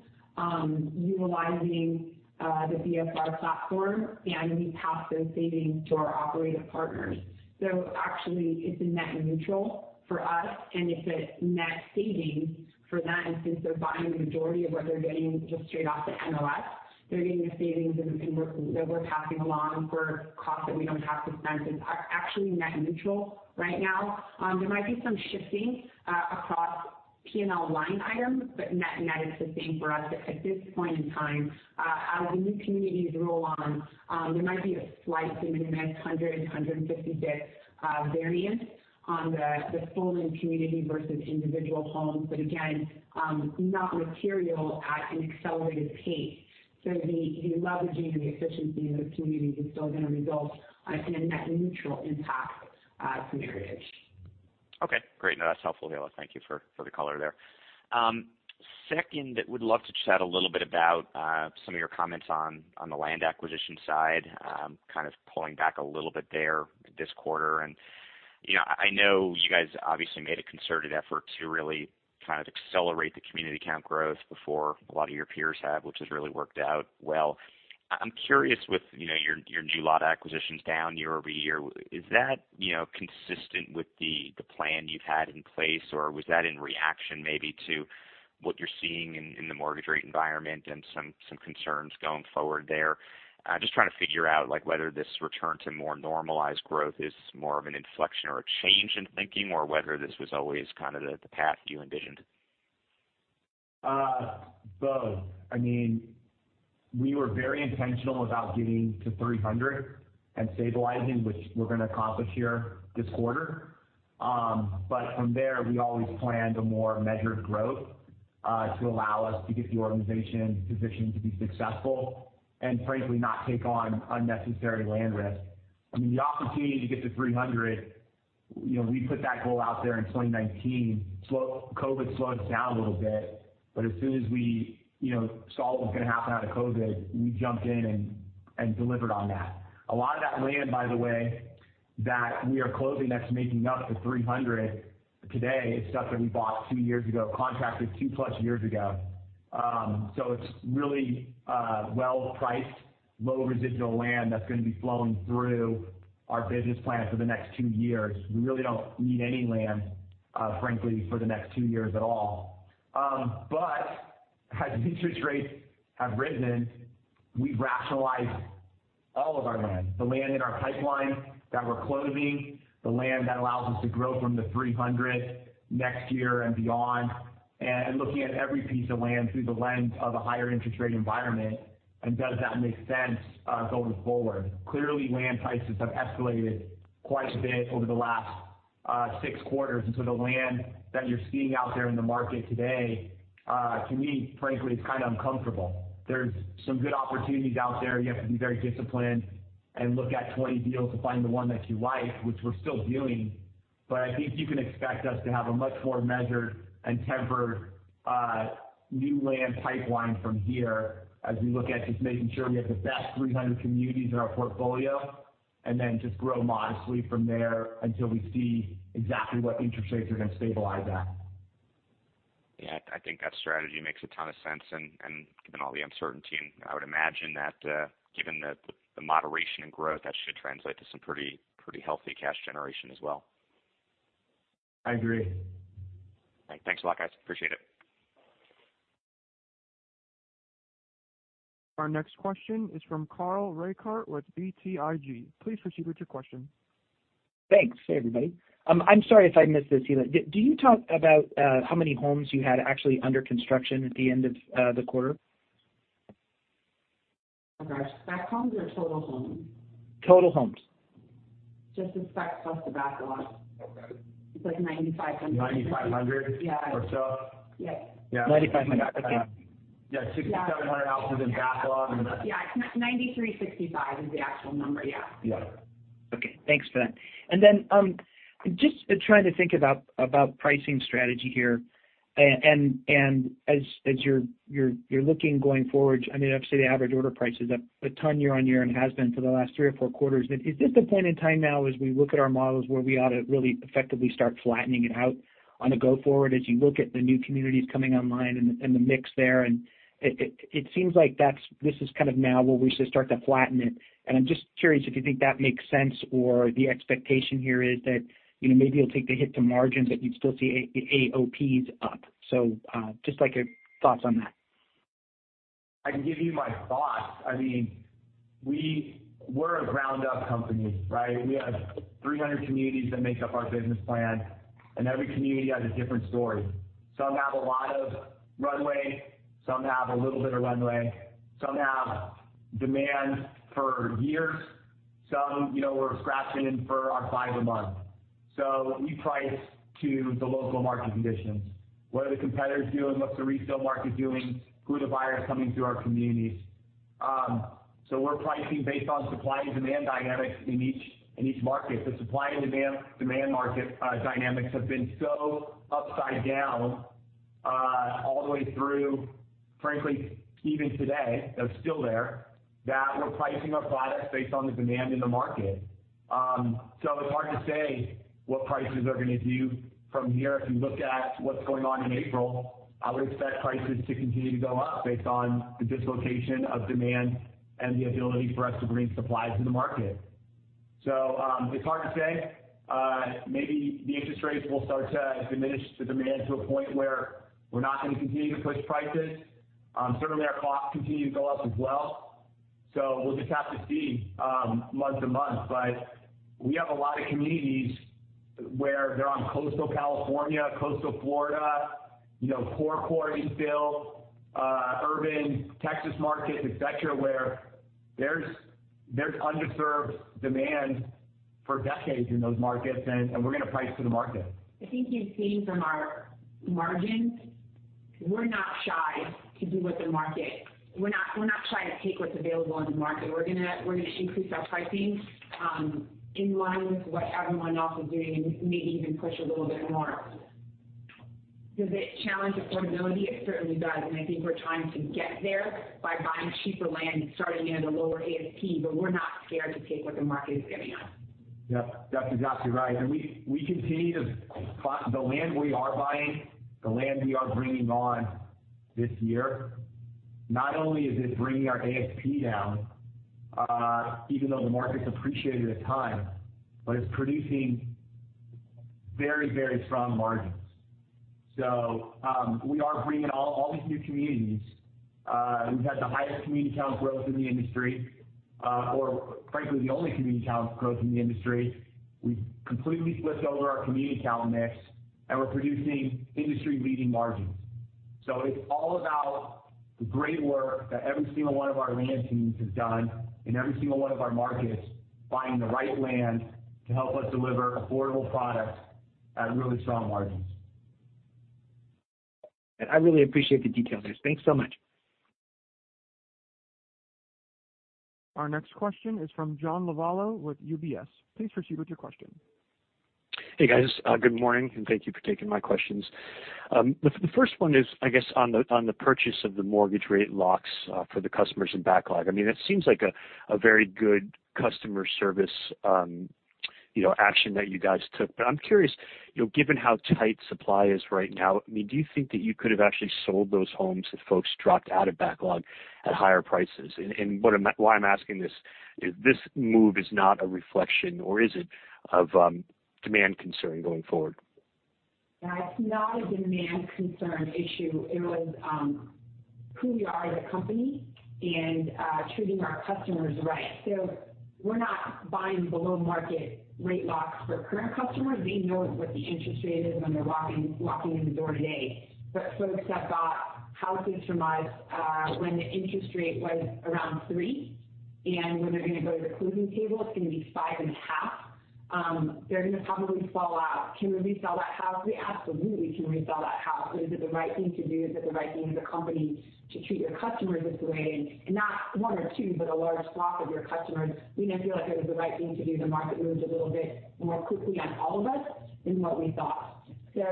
utilizing the BFR platform, and we pass those savings to our operator partners. Actually, it's a net neutral for us, and it's a net savings for them. Since they're buying the majority of what they're getting just straight off the MLS, they're getting the savings that we're passing along for costs that we don't have to spend. It's actually net neutral right now. There might be some shifting across P&L line items, but net is the same for us at this point in time. As the new communities roll on, there might be a slight, you know, net 150 basis points variance on the full new community versus individual homes. Again, not material at an accelerated pace. The leveraging and the efficiency of the communities is still gonna result in a net neutral impact to Meritage. Okay. Great. No, that's helpful, Hilla. Thank you for the color there. Second, would love to chat a little bit about some of your comments on the land acquisition side, kind of pulling back a little bit there this quarter, and you know, I know you guys obviously made a concerted effort to really kind of accelerate the community count growth before a lot of your peers have, which has really worked out well. I'm curious with your new lot acquisitions down year-over-year. Is that consistent with the plan you've had in place, or was that in reaction maybe to what you're seeing in the mortgage rate environment and some concerns going forward there? I'm just trying to figure out like whether this return to more normalized growth is more of an inflection or a change in thinking or whether this was always kind of the path you envisioned. Both. I mean, we were very intentional about getting to 300 and stabilizing, which we're gonna accomplish here this quarter. But from there we always planned a more measured growth, to allow us to get the organization positioned to be successful and frankly, not take on unnecessary land risk. I mean, the opportunity to get to 300, you know, we put that goal out there in 2019. COVID slowed us down a little bit, but as soon as we, you know, saw what was gonna happen out of COVID, we jumped in and delivered on that. A lot of that land, by the way that we are closing, that's making up the 300 today is stuff that we bought two years ago, contracted 2+ years ago. It's really well-priced, low residual land that's gonna be flowing through our business plan for the next 2 years. We really don't need any land, frankly for the next 2 years at all. As interest rates have risen, we've rationalized all of our land, the land in our pipeline that we're closing, the land that allows us to grow from the 300 next year and beyond, and looking at every piece of land through the lens of a higher interest rate environment. Does that make sense, going forward? Clearly, land prices have escalated quite a bit over the last 6 quarters. The land that you're seeing out there in the market today, to me, frankly, it's kind of uncomfortable. There's some good opportunities out there. You have to be very disciplined and look at 20 deals to find the one that you like, which we're still doing. I think you can expect us to have a much more measured and tempered new land pipeline from here as we look at just making sure we have the best 300 communities in our portfolio and then just grow modestly from there until we see exactly what interest rates are gonna stabilize at. Yeah, I think that strategy makes a ton of sense. Given all the uncertainty, I would imagine that, given the moderation in growth, that should translate to some pretty healthy cash generation as well. I agree. All right. Thanks a lot, guys. Appreciate it. Our next question is from Carl Reichardt with BTIG. Please proceed with your question. Thanks. Hey, everybody. I'm sorry if I missed this, Hilla. Did you talk about how many homes you had actually under construction at the end of the quarter? Oh, gosh. Back homes or total homes? Total homes. Just the specs plus the backlog. Okay. It's like 9,500. 9,500 Yeah. or so. Yes. Yeah. $9,500. Okay. Yeah. 6,700 houses in backlog. Yeah. 93.65 is the actual number. Yeah. Yeah. Okay. Thanks for that. Then just trying to think about pricing strategy here and as you're looking going forward, I mean, obviously the average order price is up a ton year-over-year and has been for the last 3 or 4 quarters. Is this the point in time now as we look at our models where we ought to really effectively start flattening it out on a go forward as you look at the new communities coming online and the mix there? It seems like that's this is kind of now where we should start to flatten it. I'm just curious if you think that makes sense or the expectation here is that, you know, maybe you'll take the hit to margins, but you'd still see AOPs up. Just like your thoughts on that. I can give you my thoughts. I mean, we're a ground up company, right? We have 300 communities that make up our business plan, and every community has a different story. Some have a lot of runway, some have a little bit of runway, some have demand for years, some, you know, we're scratching for our 5 a month. We price to the local market conditions. What are the competitors doing? What's the resale market doing? Who are the buyers coming to our communities? We're pricing based on supply and demand dynamics in each market. The supply and demand market dynamics have been so upside down all the way through, frankly, even today, they're still there, that we're pricing our products based on the demand in the market. It's hard to say what prices are gonna do from here. If you look at what's going on in April, I would expect prices to continue to go up based on the dislocation of demand and the ability for us to bring supply to the market. It's hard to say. Maybe the interest rates will start to diminish the demand to a point where we're not gonna continue to push prices. Certainly our costs continue to go up as well. We'll just have to see month to month. We have a lot of communities where they're on coastal California, coastal Florida, you know, core Colleyville, urban Texas markets, et cetera, where there's underserved demand for decades in those markets and we're gonna price to the market. I think you've seen from our margins we're not shy to do what the market. We're not trying to take what's available in the market. We're gonna increase our pricing in line with what everyone else is doing and maybe even push a little bit more. Does it challenge affordability? It certainly does, and I think we're trying to get there by buying cheaper land and starting in at a lower ASP, but we're not scared to take what the market is giving us. Yep. That's exactly right. We continue to buy the land we are buying, the land we are bringing on this year, not only is it bringing our ASP down, even though the market's appreciated a ton, but it's producing very, very strong margins. We are bringing all these new communities. We've had the highest community count growth in the industry, or frankly, the only community count growth in the industry. We've completely flipped over our community count mix, and we're producing industry-leading margins. It's all about the great work that every single one of our land teams have done in every single one of our markets, buying the right land to help us deliver affordable products at really strong margins. I really appreciate the detail, Hilla Sferruzza. Thanks so much. Our next question is from John Lovallo with UBS. Please proceed with your question. Hey, guys. Good morning, and thank you for taking my questions. The first one is, I guess, on the purchase of the mortgage rate locks for the customers in backlog. I mean, that seems like a very good customer service action that you guys took. I'm curious, you know, given how tight supply is right now, I mean, do you think that you could have actually sold those homes that folks dropped out of backlog at higher prices? Why I'm asking this is, this move is not a reflection, or is it, of demand concern going forward? That's not a demand concern issue. It was who we are as a company and treating our customers right. We're not buying below market rate locks for current customers. They know what the interest rate is when they're walking in the door today. Folks that bought houses from us when the interest rate was around 3%, and when they're gonna go to the closing table, it's gonna be 5.5%, they're gonna probably fall out. Can we resell that house? We absolutely can resell that house. Is it the right thing to do? Is it the right thing as a company to treat your customers this way, and not one or two, but a large swath of your customers? We didn't feel like it was the right thing to do. The market moved a little bit more quickly on all of us than what we thought. Yeah,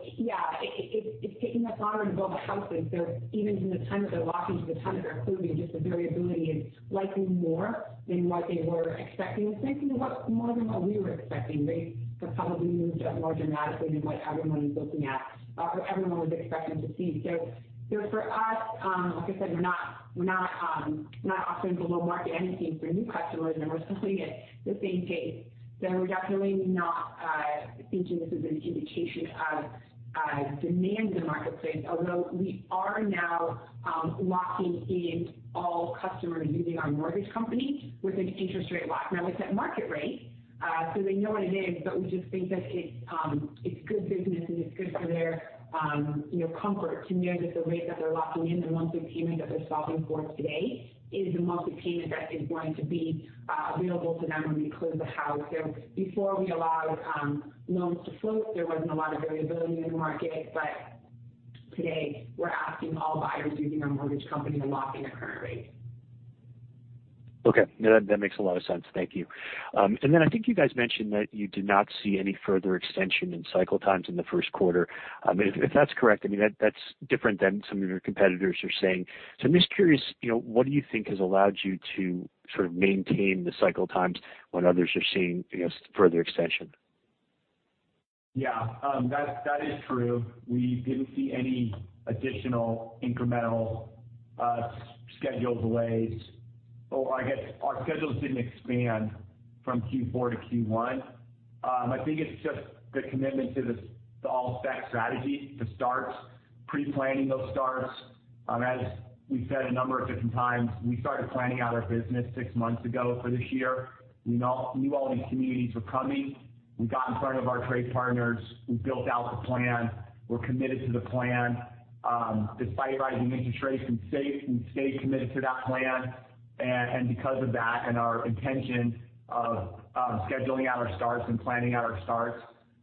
it's taking us longer to build the houses. Even from the time that they're locking to the time that they're closing, just the variability is likely more than what they were expecting, and frankly, more than what we were expecting. They have probably moved up more dramatically than what everyone is looking at or everyone was expecting to see. For us, like I said, we're not offering below market anything for new customers, and we're selling at the same pace. We're definitely not thinking this is an indication of demand in the marketplace. Although we are now locking in all customers using our mortgage company with an interest rate lock. Now it's at market rate, so they know what it is, but we just think that it's good business and it's good for their, you know, comfort to know that the rate that they're locking in, the monthly payment that they're solving for today is the monthly payment that is going to be available to them when we close the house. Before we allowed loans to float, there wasn't a lot of variability in the market. Today we're asking all buyers using our mortgage company to lock in their current rate. Okay. No, that makes a lot of sense. Thank you. I think you guys mentioned that you did not see any further extension in cycle times in the first quarter. I mean, if that's correct, I mean, that's different than some of your competitors are saying. I'm just curious, you know, what do you think has allowed you to sort of maintain the cycle times when others are seeing, you know, further extension? Yeah. That is true. We didn't see any additional incremental schedule delays. I guess our schedules didn't expand from Q4 to Q1. I think it's just the commitment to the all spec strategy, the starts, pre-planning those starts. As we've said a number of different times, we started planning out our business six months ago for this year. We knew all these communities were coming. We got in front of our trade partners. We built out the plan. We're committed to the plan. Despite rising interest rates, we stayed committed to that plan. Because of that and our intention of scheduling out our starts and planning out our starts,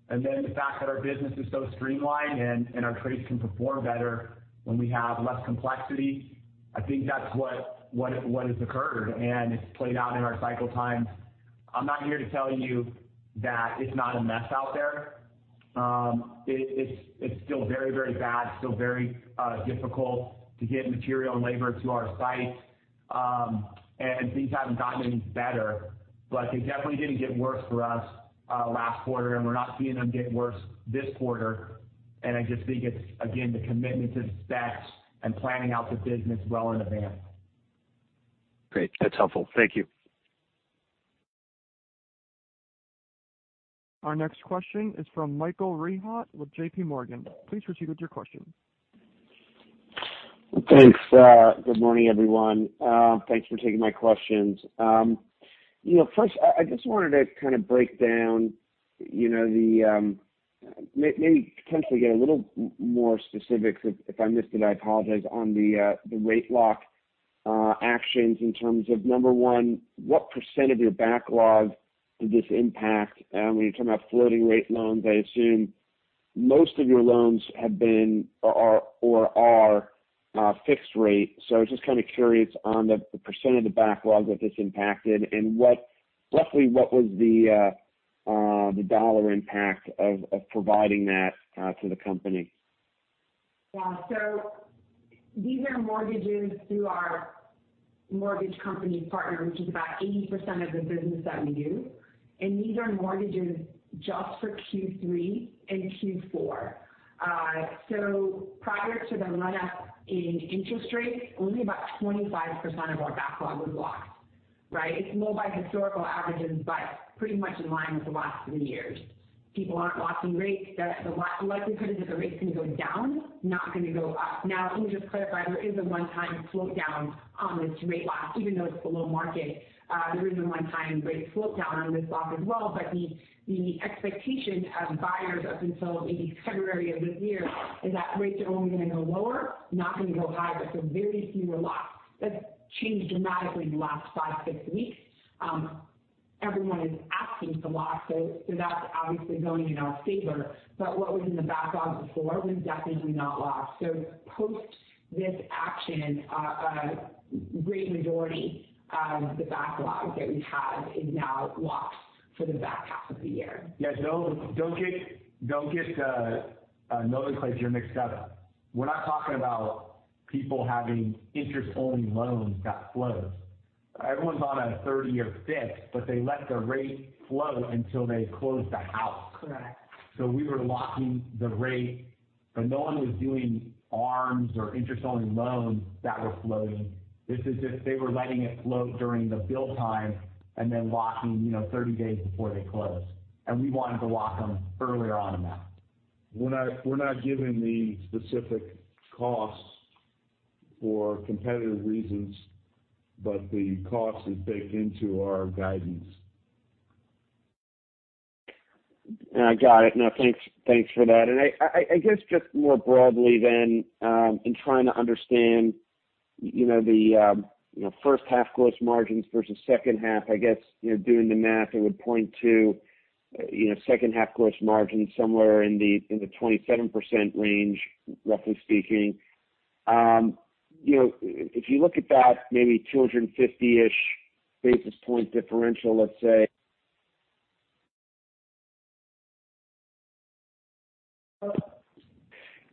and then the fact that our business is so streamlined and our trades can perform better when we have less complexity, I think that's what has occurred, and it's played out in our cycle times. I'm not here to tell you that it's not a mess out there. It's still very bad, still very difficult to get material and labor to our sites. Things haven't gotten any better, but they definitely didn't get worse for us last quarter, and we're not seeing them get worse this quarter. I just think it's again, the commitment to the specs and planning out the business well in advance. Great. That's helpful. Thank you. Our next question is from Michael Rehaut with J.P. Morgan. Please proceed with your question. Thanks. Good morning, everyone. Thanks for taking my questions. You know, first I just wanted to kind of break down, you know, the maybe potentially get a little more specifics, if I missed it, I apologize, on the rate lock actions in terms of, number one, what % of your backlog did this impact? When you're talking about floating rate loans, I assume most of your loans have been or are fixed rate. So I was just kinda curious on the % of the backlog that this impacted and roughly what was the dollar impact of providing that to the company? Yeah. These are mortgages through our mortgage company partner, which is about 80% of the business that we do. These are mortgages just for Q3 and Q4. Prior to the run up in interest rates, only about 25% of our backlog was locked, right? It's more by historical averages, but pretty much in line with the last three years. People aren't locking rates. The likelihood is that the rate's going to go down, not going to go up. Now, let me just clarify. There is a one-time float down on this rate lock, even though it's below market. There is a one-time rate float down on this lock as well. But the expectation of buyers up until maybe February of this year is that rates are only going to go lower, not going to go higher. Very few are locked. That's changed dramatically in the last 5, 6 weeks. Everyone is asking to lock, so that's obviously going in our favor. What was in the backlog before was definitely not locked. Post this action, great majority of the backlog that we had is now locked for the back half of the year. Yeah. No, don't get Michael Rehaut, you're mixed up. We're not talking about people having interest-only loans that float. Everyone's on a 30-year fixed, but they let the rate float until they close the house. Correct. We were locking the rate, but no one was doing ARMs or interest-only loans that were floating. This is if they were letting it float during the build time and then locking, you know, 30 days before they closed. We wanted to lock them earlier on than that. We're not giving the specific costs for competitive reasons, but the cost is baked into our guidance. I got it now. Thanks for that. I guess just more broadly then, in trying to understand, you know, the first half gross margins versus second half, I guess, you know, doing the math, it would point to, you know, second half gross margin somewhere in the 27% range, roughly speaking. If you look at that maybe 250-ish basis point differential, let's say.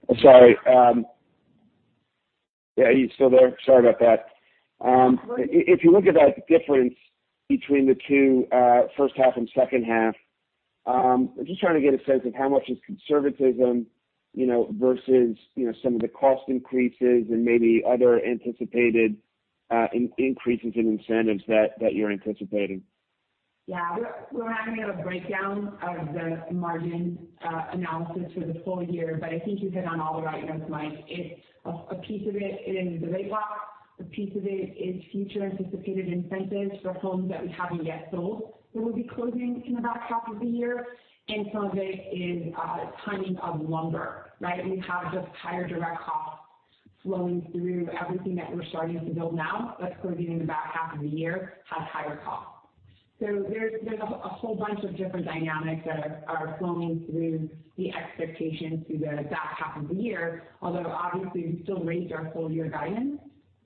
I'm sorry. Yeah, are you still there? Sorry about that. If you look at that difference between the two, first half and second half, I'm just trying to get a sense of how much is conservatism, you know, versus, you know, some of the cost increases and maybe other anticipated increases in incentives that you're anticipating. Yeah. We're having a breakdown of the margin analysis for the full year. I think you hit on all the right notes, Mike. It's a piece of it is the rate lock. A piece of it is future anticipated incentives for homes that we haven't yet sold that will be closing in the back half of the year. Some of it is timing of lumber, right? We have just higher direct costs flowing through everything that we're starting to build now. That's closing in about half of the year, has higher costs. So there's a whole bunch of different dynamics that are flowing through the expectations through the back half of the year. Although obviously we still raised our full year guidance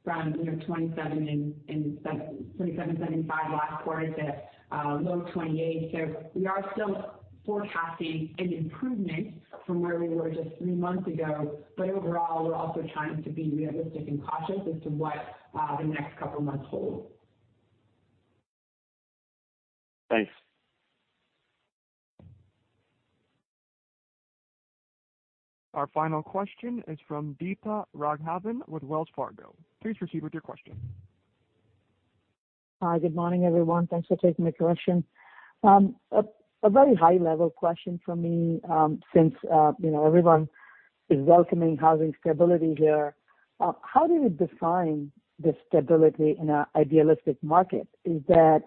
from, you know, 27.75 last quarter to low 28. We are still forecasting an improvement from where we were just three months ago. Overall, we're also trying to be realistic and cautious as to what the next couple of months hold. Thanks. Our final question is from Deepa Raghavan with Wells Fargo. Please proceed with your question. Hi, good morning, everyone. Thanks for taking my question. A very high level question from me, since you know, everyone is welcoming housing stability here, how do you define the stability in a idealistic market? Is that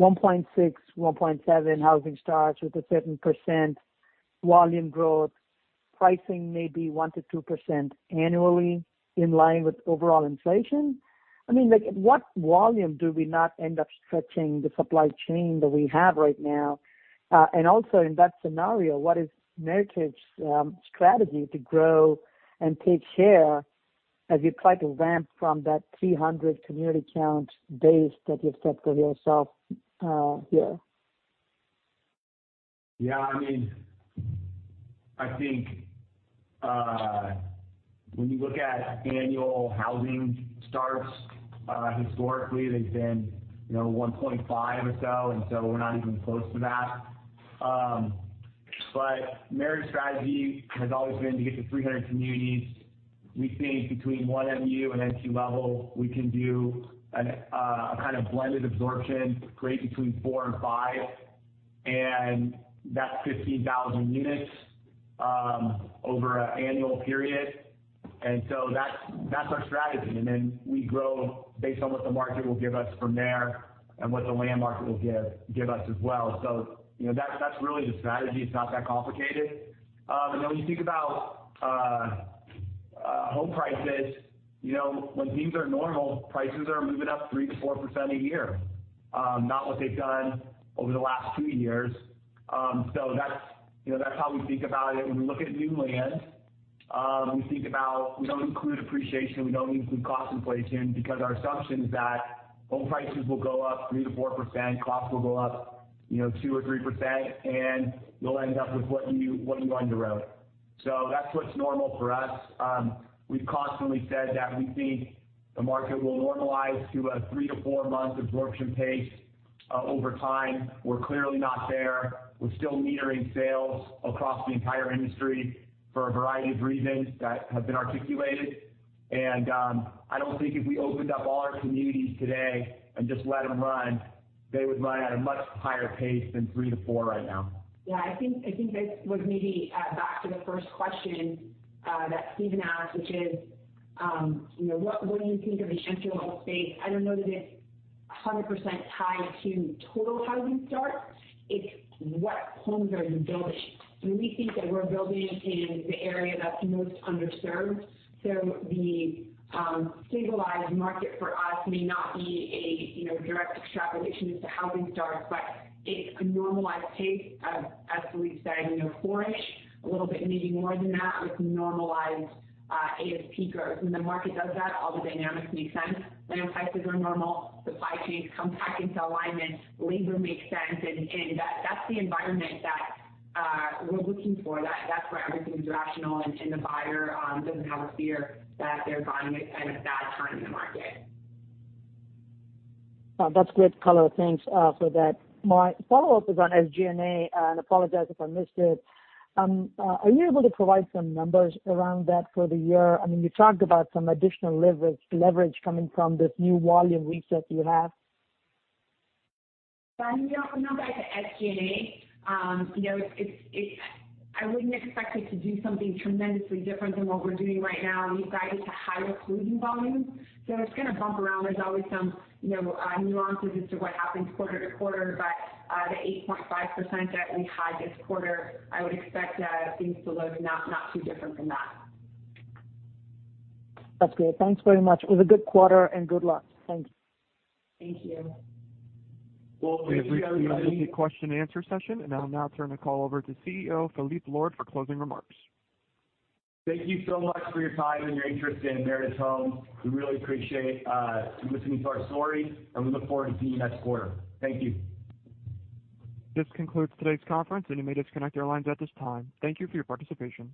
1.6, 1.7 housing starts with a certain percent volume growth, pricing maybe 1%-2% annually in line with overall inflation? I mean, like, at what volume do we not end up stretching the supply chain that we have right now? Also in that scenario, what is Meritage strategy to grow and take share as you try to ramp from that 300 community count base that you've set for yourself, here? Yeah, I mean, I think, when you look at annual housing starts, historically they've been, you know, 1.5 or so, and so we're not even close to that. Meritage strategy has always been to get to 300 communities. We think between one MU and MT level, we can do a kind of blended absorption rate between 4 and 5, and that's 15,000 units over an annual period. That's our strategy. We grow based on what the market will give us from there and what the land market will give us as well. You know, that's really the strategy. It's not that complicated. When you think about home prices, you know, when things are normal, prices are moving up 3%-4% a year, not what they've done over the last 2 years. That's, you know, that's how we think about it when we look at new land. We don't include appreciation, we don't include cost inflation because our assumption is that home prices will go up 3%-4%, costs will go up, you know, 2%-3%, and you'll end up with what you underwrote. That's what's normal for us. We've constantly said that we think the market will normalize to a 3-4-month absorption pace over time. We're clearly not there. We're still metering sales across the entire industry for a variety of reasons that have been articulated. I don't think if we opened up all our communities today and just let them run, they would run at a much higher pace than 3-4 right now. I think this was maybe back to the first question that Stephen asked, which is, you know, what do you think of the central estimate? I don't know that it's 100% tied to total housing starts. It's what homes are you building? We think that we're building in the area that's most underserved. The stabilized market for us may not be a direct extrapolation as to how we start, but it's a normalized pace of, as Phillippe said, you know, four-ish, a little bit maybe more than that with normalized ASP growth. When the market does that, all the dynamics make sense. Land prices are normal. Supply chains come back into alignment. Labor makes sense. That's the environment that we're looking for. That's where everything is rational and the buyer doesn't have a fear that they're buying it at a bad time in the market. That's great color. Thanks for that. My follow-up is on SG&A, and I apologize if I missed it. Are you able to provide some numbers around that for the year? I mean, you talked about some additional leverage coming from this new volume reset you have. I mean, on the SG&A, you know, it's. I wouldn't expect it to do something tremendously different than what we're doing right now. We've guided to higher closing volumes, so it's gonna bump around. There's always some, you know, nuances as to what happens quarter to quarter. The 8.5% that we had this quarter, I would expect things to look not too different from that. That's great. Thanks very much. It was a good quarter and good luck. Thanks. Thank you. Well, thank you everybody. We have reached the end of the question and answer session, and I'll now turn the call over to CEO, Phillippe Lord for closing remarks. Thank you so much for your time and your interest in Meritage Homes. We really appreciate you listening to our story, and we look forward to seeing you next quarter. Thank you. This concludes today's conference, and you may disconnect your lines at this time. Thank you for your participation.